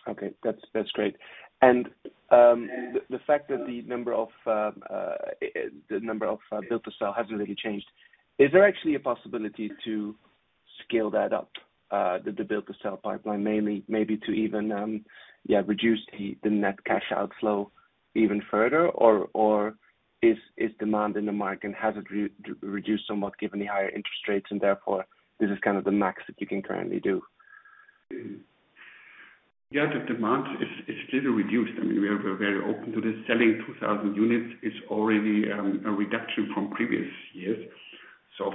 Okay. That's great. The fact that the number of build-to-sell hasn't really changed, is there actually a possibility to scale that up, the build-to-sell pipeline mainly maybe to even reduce the net cash outflow even further? Or is demand in the market and has it reduced somewhat given the higher interest rates and therefore this is kind of the max that you can currently do?
Yeah, the demand is still reduced. I mean, we are very open to this. Selling 2,000 units is already a reduction from previous years.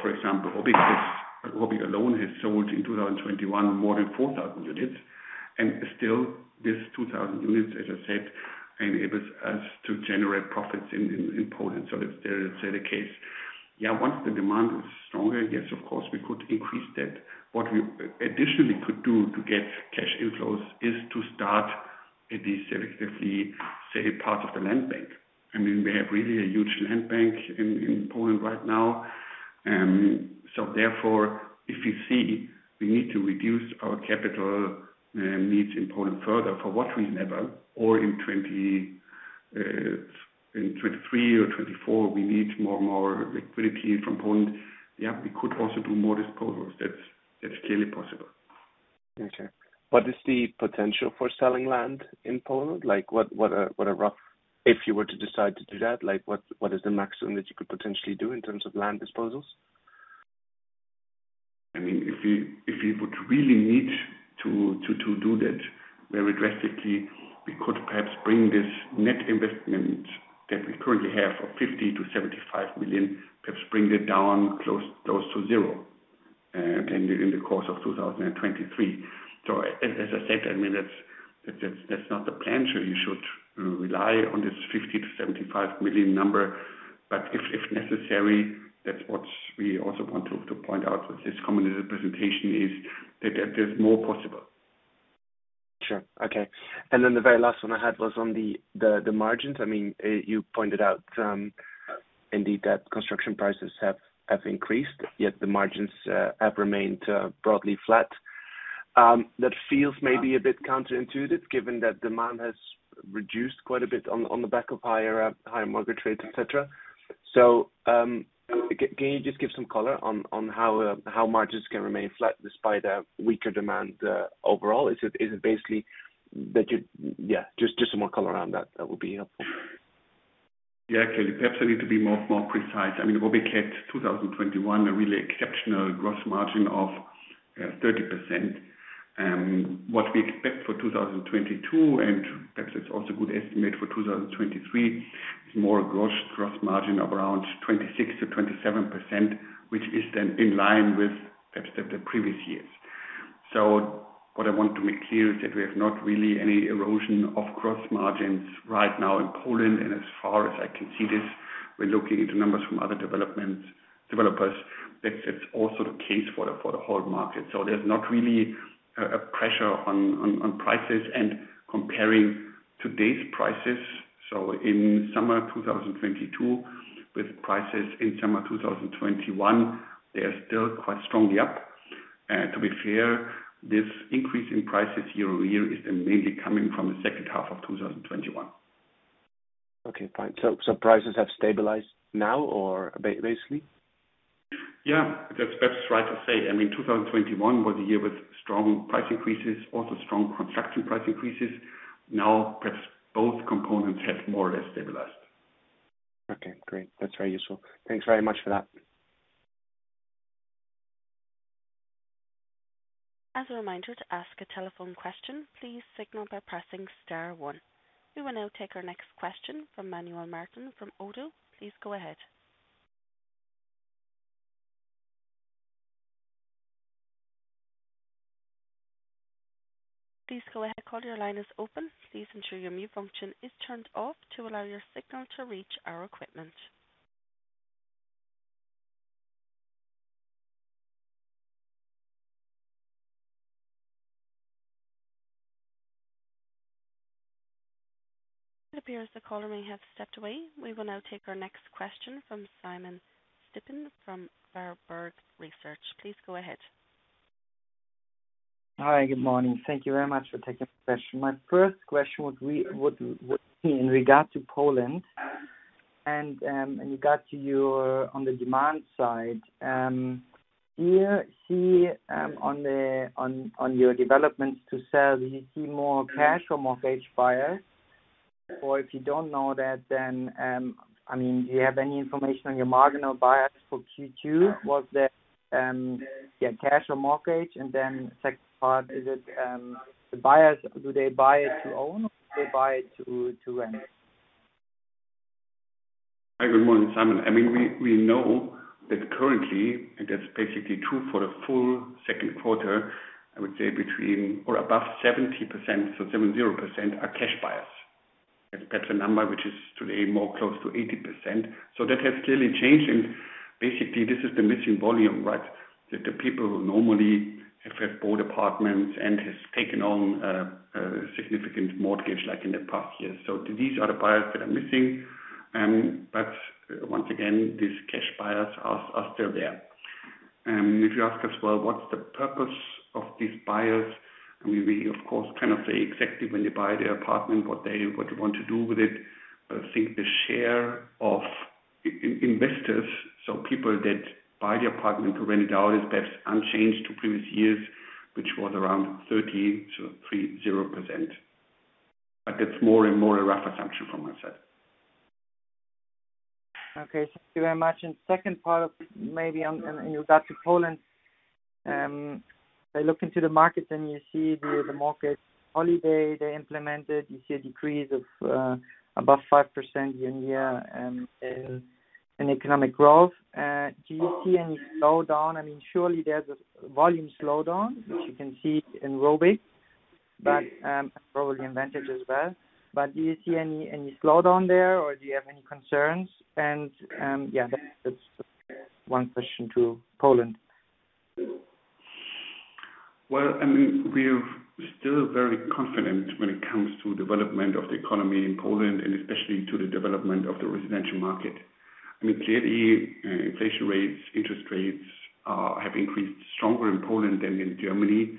For example, Robyg alone has sold in 2021 more than 4,000 units, and still this 2,000 units, as I said, enables us to generate profits in Poland. That's still the case. Yeah, once the demand is stronger, yes, of course, we could increase that. What we additionally could do to get cash inflows is to start at least selectively, say, part of the land bank. I mean, we have really a huge land bank in Poland right now. If you see we need to reduce our capital needs in Poland further for whatever reason, or in 2023 or 2024, we need more and more liquidity from Poland. Yeah, we could also do more disposals. That's clearly possible.
Okay. What is the potential for selling land in Poland? Like, if you were to decide to do that, like, what is the maximum that you could potentially do in terms of land disposals?
I mean, if we would really need to do that very drastically, we could perhaps bring this net investment that we currently have of 50-75 million, perhaps bring it down close to zero, in the course of 2023. As I said, I mean, that's not the plan, so you should rely on this 50-75 million number. If necessary, that's what we also want to point out with this coming presentation is that there's more possible.
Sure. Okay. The very last one I had was on the margins. I mean, you pointed out, indeed that construction prices have increased, yet the margins have remained broadly flat. That feels maybe a bit counterintuitive given that demand has reduced quite a bit on the back of higher mortgage rates, et cetera. Can you just give some color on how margins can remain flat despite a weaker demand overall? Yeah, just some more color around that. That would be helpful.
Yeah. Actually, perhaps I need to be more precise. I mean, Robyg had 2021 a really exceptional gross margin of 30%. What we expect for 2022, and perhaps it's also a good estimate for 2023, is more gross margin of around 26%-27%, which is then in line with perhaps the previous years. What I want to make clear is that we have not really any erosion of gross margins right now in Poland. As far as I can see this, we're looking into numbers from other developers. That's also the case for the whole market. There's not really a pressure on prices, and comparing today's prices. In summer 2022, with prices in summer 2021, they are still quite strongly up. To be fair, this increase in prices year-over-year is mainly coming from the second half of 2021.
Okay, fine. Prices have stabilized now or basically?
Yeah, that's right to say. I mean, 2021 was a year with strong price increases, also strong construction price increases. Now perhaps both components have more or less stabilized.
Okay, great. That's very useful. Thanks very much for that.
As a reminder to ask a telephone question, please signal by pressing star one. We will now take our next question from Manuel Martin from ODDO BHF. Please go ahead. Please go ahead. Caller, your line is open. Please ensure your mute function is turned off to allow your signal to reach our equipment. It appears the caller may have stepped away. We will now take our next question from Simon Stippig from Berenberg. Please go ahead.
Hi. Good morning. Thank you very much for taking this question. My first question would be in regards to Poland and in regards to your on the demand side. Do you see more cash or mortgage buyers on your developments to sell? Or if you don't know that, then I mean, do you have any information on your marginal buyers for Q2? Was that cash or mortgage? And then second part, is it the buyers, do they buy it to own or they buy it to rent?
Hi. Good morning, Simon. I mean, we know that currently, and that's basically true for the full 2nd quarter, I would say between or above 70%, so 70% are cash buyers. That's a number which is today more close to 80%. That has clearly changed. Basically this is the missing volume, right? That the people who normally have had bought apartments and has taken on significant mortgage like in the past years. These are the buyers that are missing. Once again, these cash buyers are still there. If you ask us, well, what's the purpose of these buyers? We of course cannot say exactly when they buy their apartment what they want to do with it. I think the share of investors, so people that buy the apartment to rent it out, is perhaps unchanged to previous years, which was around 30, so 30%. That's more and more a rough assumption from my side.
Okay. Thank you very much. Second part of maybe on in regard to Poland, I looked into the market and you see the mortgage holiday they implemented, you see a decrease of above 5% year-over-year in economic growth. Do you see any slowdown? I mean, surely there's a volume slowdown, which you can see in Robyg. Probably in Vantage as well. Do you see any slowdown there, or do you have any concerns? Yeah, that's one question to Poland.
Well, I mean, we're still very confident when it comes to development of the economy in Poland and especially to the development of the residential market. I mean, clearly, inflation rates, interest rates, have increased stronger in Poland than in Germany,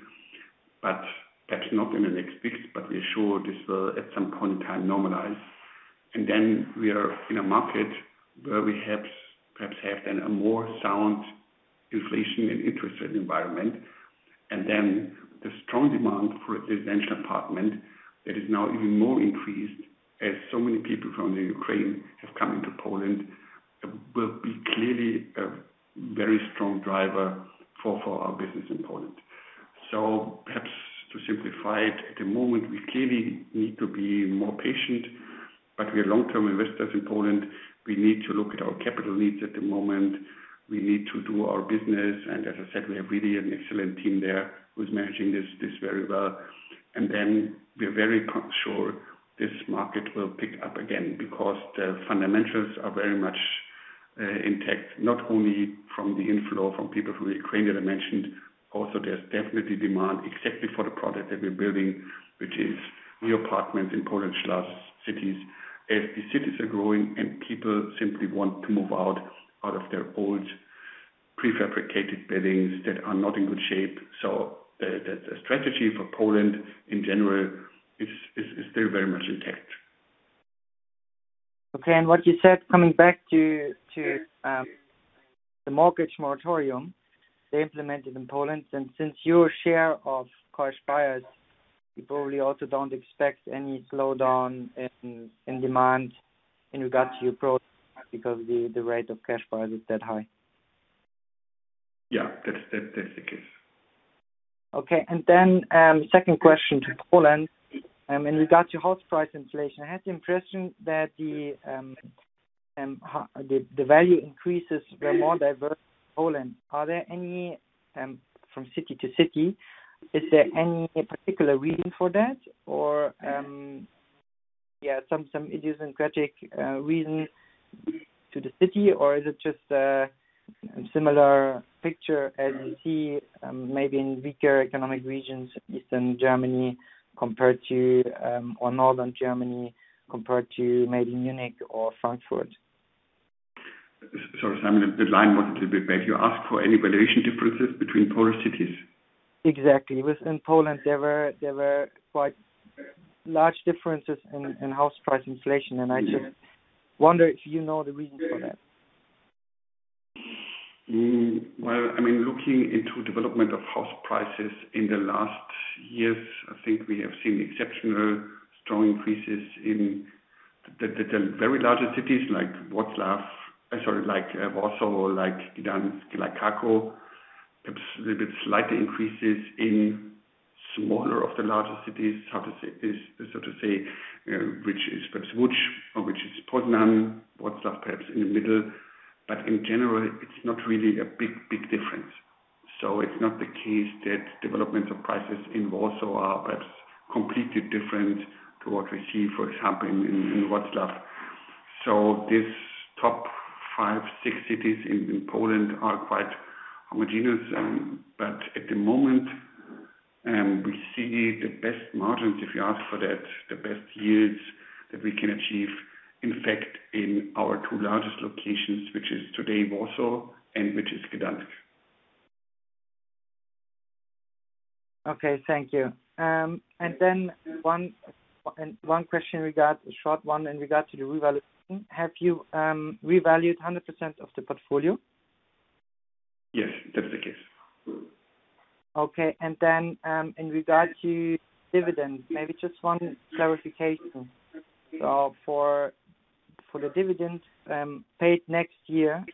but perhaps not in the next weeks. We're sure this will, at some point in time, normalize. Then we are in a market where we have perhaps then a more sound inflation and interest rate environment. Then the strong demand for a residential apartment that is now even more increased, as so many people from the Ukraine have come into Poland, will be clearly a very strong driver for our business in Poland. Perhaps to simplify it, at the moment we clearly need to be more patient, but we are long-term investors in Poland. We need to look at our capital needs at the moment. We need to do our business. As I said, we have really an excellent team there who's managing this very well. We are very sure this market will pick up again because the fundamentals are very much intact, not only from the inflow from people from the Ukraine that I mentioned. Also there's definitely demand, exactly for the product that we're building, which is new apartments in Poland's large cities, as the cities are growing and people simply want to move out of their old prefabricated buildings that are not in good shape. The strategy for Poland in general is still very much intact.
Okay. What you said, coming back to the mortgage moratorium they implemented in Poland, and since your share of cash buyers, you probably also don't expect any slowdown in demand in regards to your products because the rate of cash buyers is that high.
Yeah. That's the case.
Okay. Second question to Poland, in regards to house price inflation, I had the impression that the value increases were more diverse in Poland. Are there any from city to city, is there any particular reason for that? Or, yeah, some idiosyncratic reason to the city, or is it just a similar picture as you see, maybe in weaker economic regions, Eastern Germany compared to, or Northern Germany compared to maybe Munich or Frankfurt?
Sorry, Simon, the line was a little bit bad. You asked for any valuation differences between Polish cities.
Exactly. Within Poland there were quite large differences in house price inflation. I just wonder if you know the reason for that.
Well, I mean, looking into development of house prices in the last years, I think we have seen exceptional strong increases in the very larger cities like Warsaw, like Gdańsk, like Kraków. Perhaps little bit slight increases in smaller of the larger cities, which is perhaps Łódź or which is Poznań, Wrocław perhaps in the middle. In general, it's not really a big difference. It's not the case that development of prices in Warsaw are perhaps completely different to what we see, for example, in Wrocław. This top five, six cities in Poland are quite homogeneous. We see the best margins, if you ask for that, the best yields that we can achieve, in fact, in our two largest locations, which is today Warsaw and which is Gdańsk.
Okay. Thank you. One question, a short one, in regards to the revaluation. Have you revalued 100% of the portfolio?
Yes, that's the case.
Okay. In regards to dividends, maybe just one clarification. For the dividend paid next year,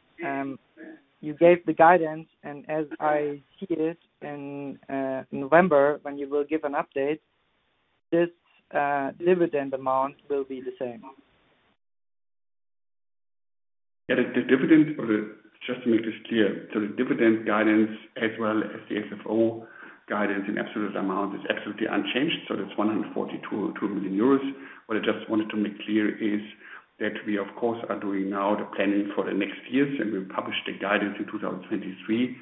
you gave the guidance, and as I see it in November when you will give an update, this dividend amount will be the same.
Just to make this clear. The dividend guidance, as well as the FFO guidance in absolute amount is absolutely unchanged. That's 142.2 million euros. What I just wanted to make clear is that we of course are doing now the planning for the next years, and we publish the guidance in 2023.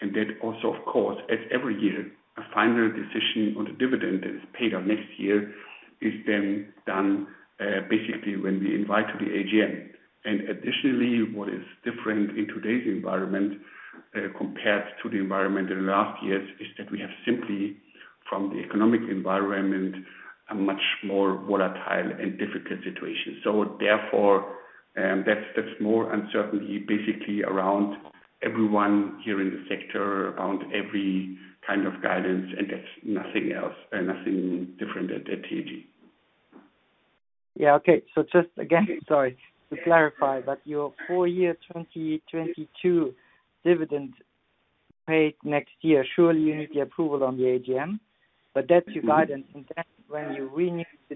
That also of course, as every year, a final decision on the dividend that is paid out next year is then done, basically when we invite to the AGM. Additionally, what is different in today's environment, compared to the environment in the last years, is that we have simply from the economic environment a much more volatile and difficult situation. Therefore, that's more uncertainty basically around everyone here in the sector, around every kind of guidance. That's nothing else, nothing different at TAG.
Yeah. Okay. Just again, sorry to clarify, but your full year 2022 dividend paid next year, surely you need the approval on the AGM.
Mm-hmm.
That's your guidance. Then when you renew the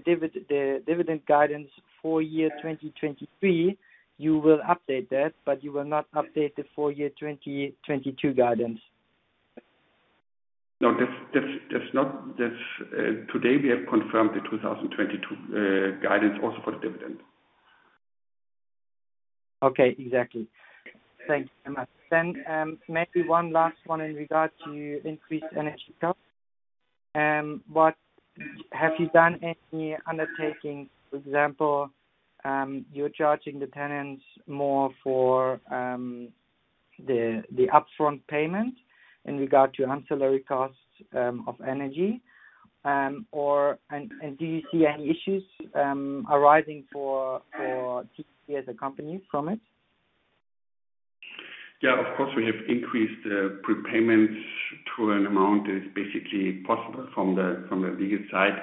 dividend guidance for year 2023, you will update that, but you will not update the full year 2022 guidance.
No, that's not. That's today we have confirmed the 2022 guidance also for the dividend.
Okay. Exactly. Thank you so much. Maybe one last one in regard to increased energy costs. Have you done any undertakings, for example, you're charging the tenants more for the upfront payment in regard to ancillary costs of energy, or. Do you see any issues arising for TAG as a company from it?
Yeah, of course, we have increased prepayments to an amount that is basically possible from the legal side.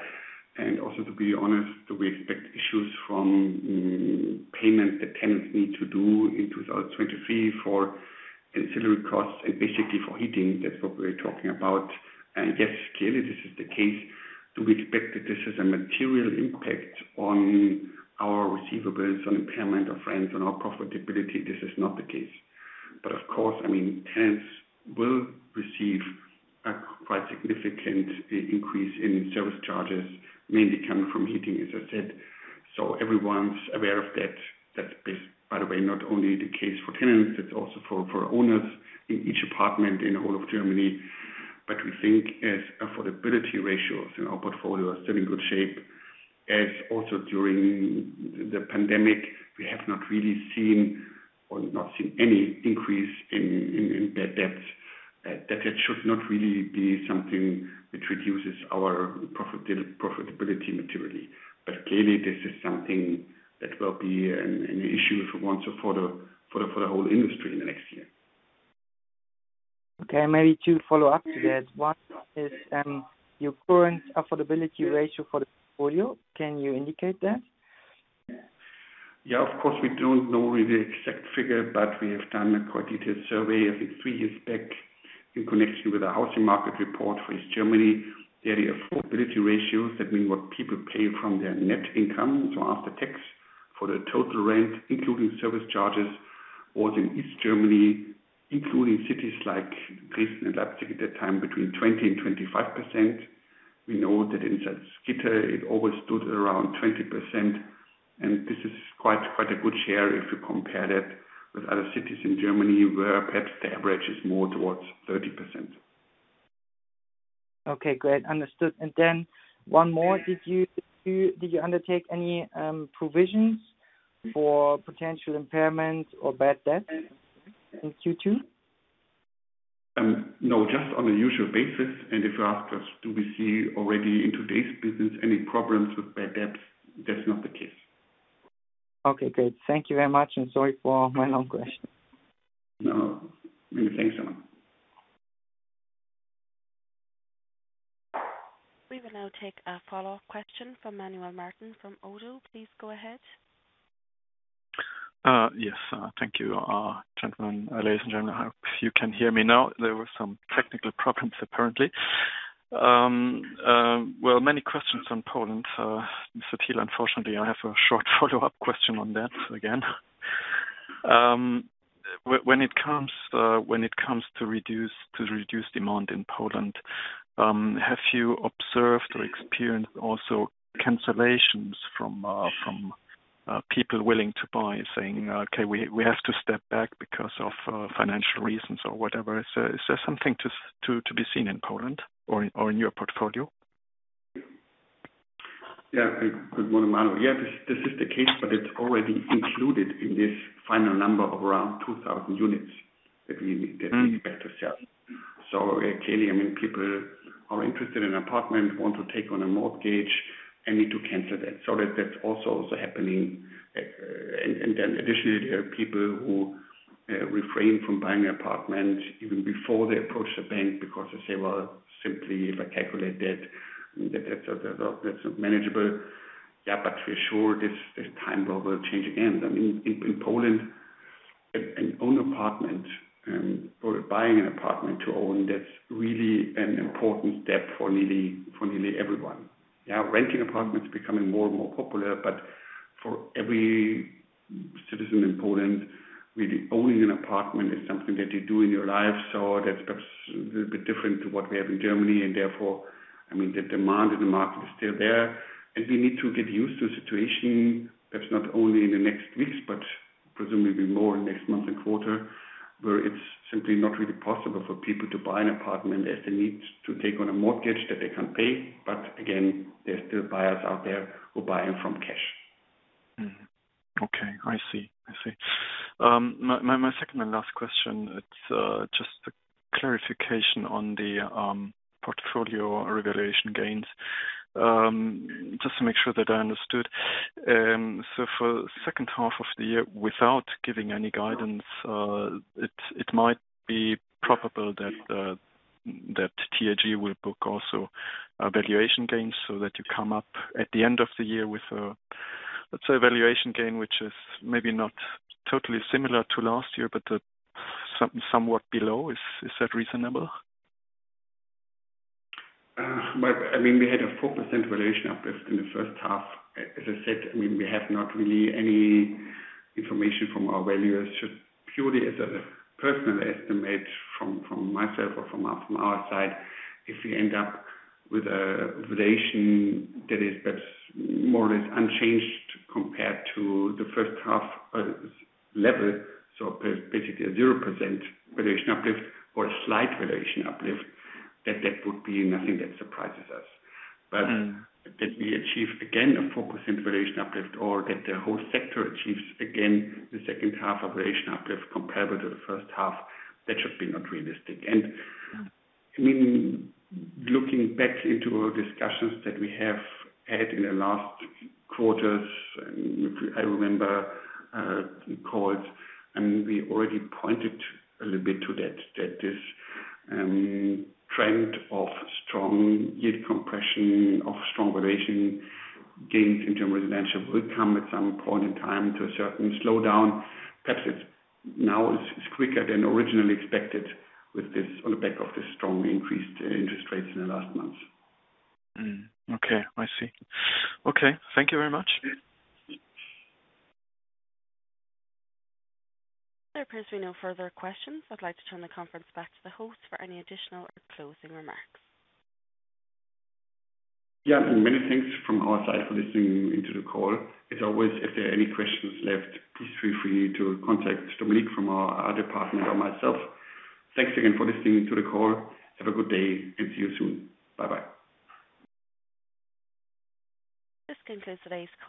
To be honest, do we expect issues from payment that tenants need to do in 2023 for ancillary costs and basically for heating? That's what we're talking about. Yes, clearly this is the case. Do we expect that this has a material impact on our receivables, on impairment of rents, on our profitability? This is not the case. Of course, I mean, tenants will receive a quite significant increase in service charges, mainly coming from heating, as I said. Everyone's aware of that. By the way, that's not only the case for tenants, it's also for owners in each apartment in the whole of Germany. We think as affordability ratios in our portfolio are still in good shape, as also during the pandemic, we have not really seen any increase in bad debt, that it should not really be something which reduces our profitability materially. Clearly this is something that will be an issue for us and for the whole industry in the next year.
Okay, maybe to follow up to that. One is, your current affordability ratio for the portfolio. Can you indicate that?
Yeah, of course. We don't know really the exact figure, but we have done a quite detailed survey, I think, three years back in connection with the housing market report for East Germany. The affordability ratios, that means what people pay from their net income, so after tax, for the total rent, including service charges, was in East Germany, including cities like Dresden and Leipzig at that time, between 20% and 25%. We know that in South Schkeuditz it always stood around 20%, and this is quite a good share if you compare that with other cities in Germany where perhaps the average is more towards 30%.
Okay, great. Understood. One more. Did you undertake any provisions for potential impairments or bad debt in Q2?
No, just on a usual basis. If you ask us, do we see already in today's business any problems with bad debts? That's not the case.
Okay, great. Thank you very much and sorry for my long question.
No, many thanks, Simon.
We will now take a follow-up question from Manuel Martin from ODDO BHF. Please go ahead.
Yes. Thank you, gentlemen. Ladies and gentlemen, I hope you can hear me now. There were some technical problems apparently. Many questions on Poland, Mr. Thiel, unfortunately, I have a short follow-up question on that again. When it comes to reduce demand in Poland, have you observed or experienced also cancellations from people willing to buy saying, "Okay, we have to step back because of financial reasons or whatever." Is there something to be seen in Poland or in your portfolio?
Good morning, Manuel. This is the case, but it's already included in this final number of around 2,000 units that we expect to sell. Clearly, I mean, people are interested in apartment, want to take on a mortgage and need to cancel that. That's also happening. Then additionally, there are people who refrain from buying an apartment even before they approach the bank because they say, "Well, simply if I calculate that's not manageable." Yeah. For sure this time will change again. I mean, in Poland, an own apartment or buying an apartment to own, that's really an important step for nearly everyone. Yeah. Renting apartments becoming more and more popular, but for every citizen in Poland, really owning an apartment is something that you do in your life. That's perhaps a little bit different to what we have in Germany. Therefore, I mean, the demand in the market is still there, and we need to get used to a situation that's not only in the next weeks, but presumably more in next month and quarter, where it's simply not really possible for people to buy an apartment as they need to take on a mortgage that they can pay. But again, there are still buyers out there who buy with cash.
Okay, I see. My second and last question, it's just a clarification on the portfolio revaluation gains. Just to make sure that I understood. So for second half of the year, without giving any guidance, it might be probable that TAG will book also a valuation gain so that you come up at the end of the year with a, let's say, a valuation gain, which is maybe not totally similar to last year, but somewhat below. Is that reasonable?
Well, I mean, we had a 4% valuation uplift in the first half. As I said, I mean, we have not really any information from our valuers. Purely as a personal estimate from myself or from our side, if we end up with a valuation that is perhaps more or less unchanged compared to the first half level, basically a 0% valuation uplift or a slight valuation uplift, that would be nothing that surprises us.
Mm-hmm.
That we achieve again a 4% valuation uplift or that the whole sector achieves again the second half valuation uplift comparable to the first half, that should be not realistic. I mean, looking back into our discussions that we have had in the last quarters, if I remember, the calls, I mean, we already pointed a little bit to that this, trend of strong yield compression, of strong valuation gains in German residential will come at some point in time to a certain slowdown. Perhaps it's now quicker than originally expected with this, on the back of this strongly increased interest rates in the last months.
Okay. I see. Okay. Thank you very much.
There appears to be no further questions. I'd like to turn the conference back to the host for any additional or closing remarks.
Yeah. Many thanks from our side for listening in to the call. As always, if there are any questions left, please feel free to contact Dominique from our IR department or myself. Thanks again for listening to the call. Have a good day and see you soon. Bye-bye.
This concludes today's call.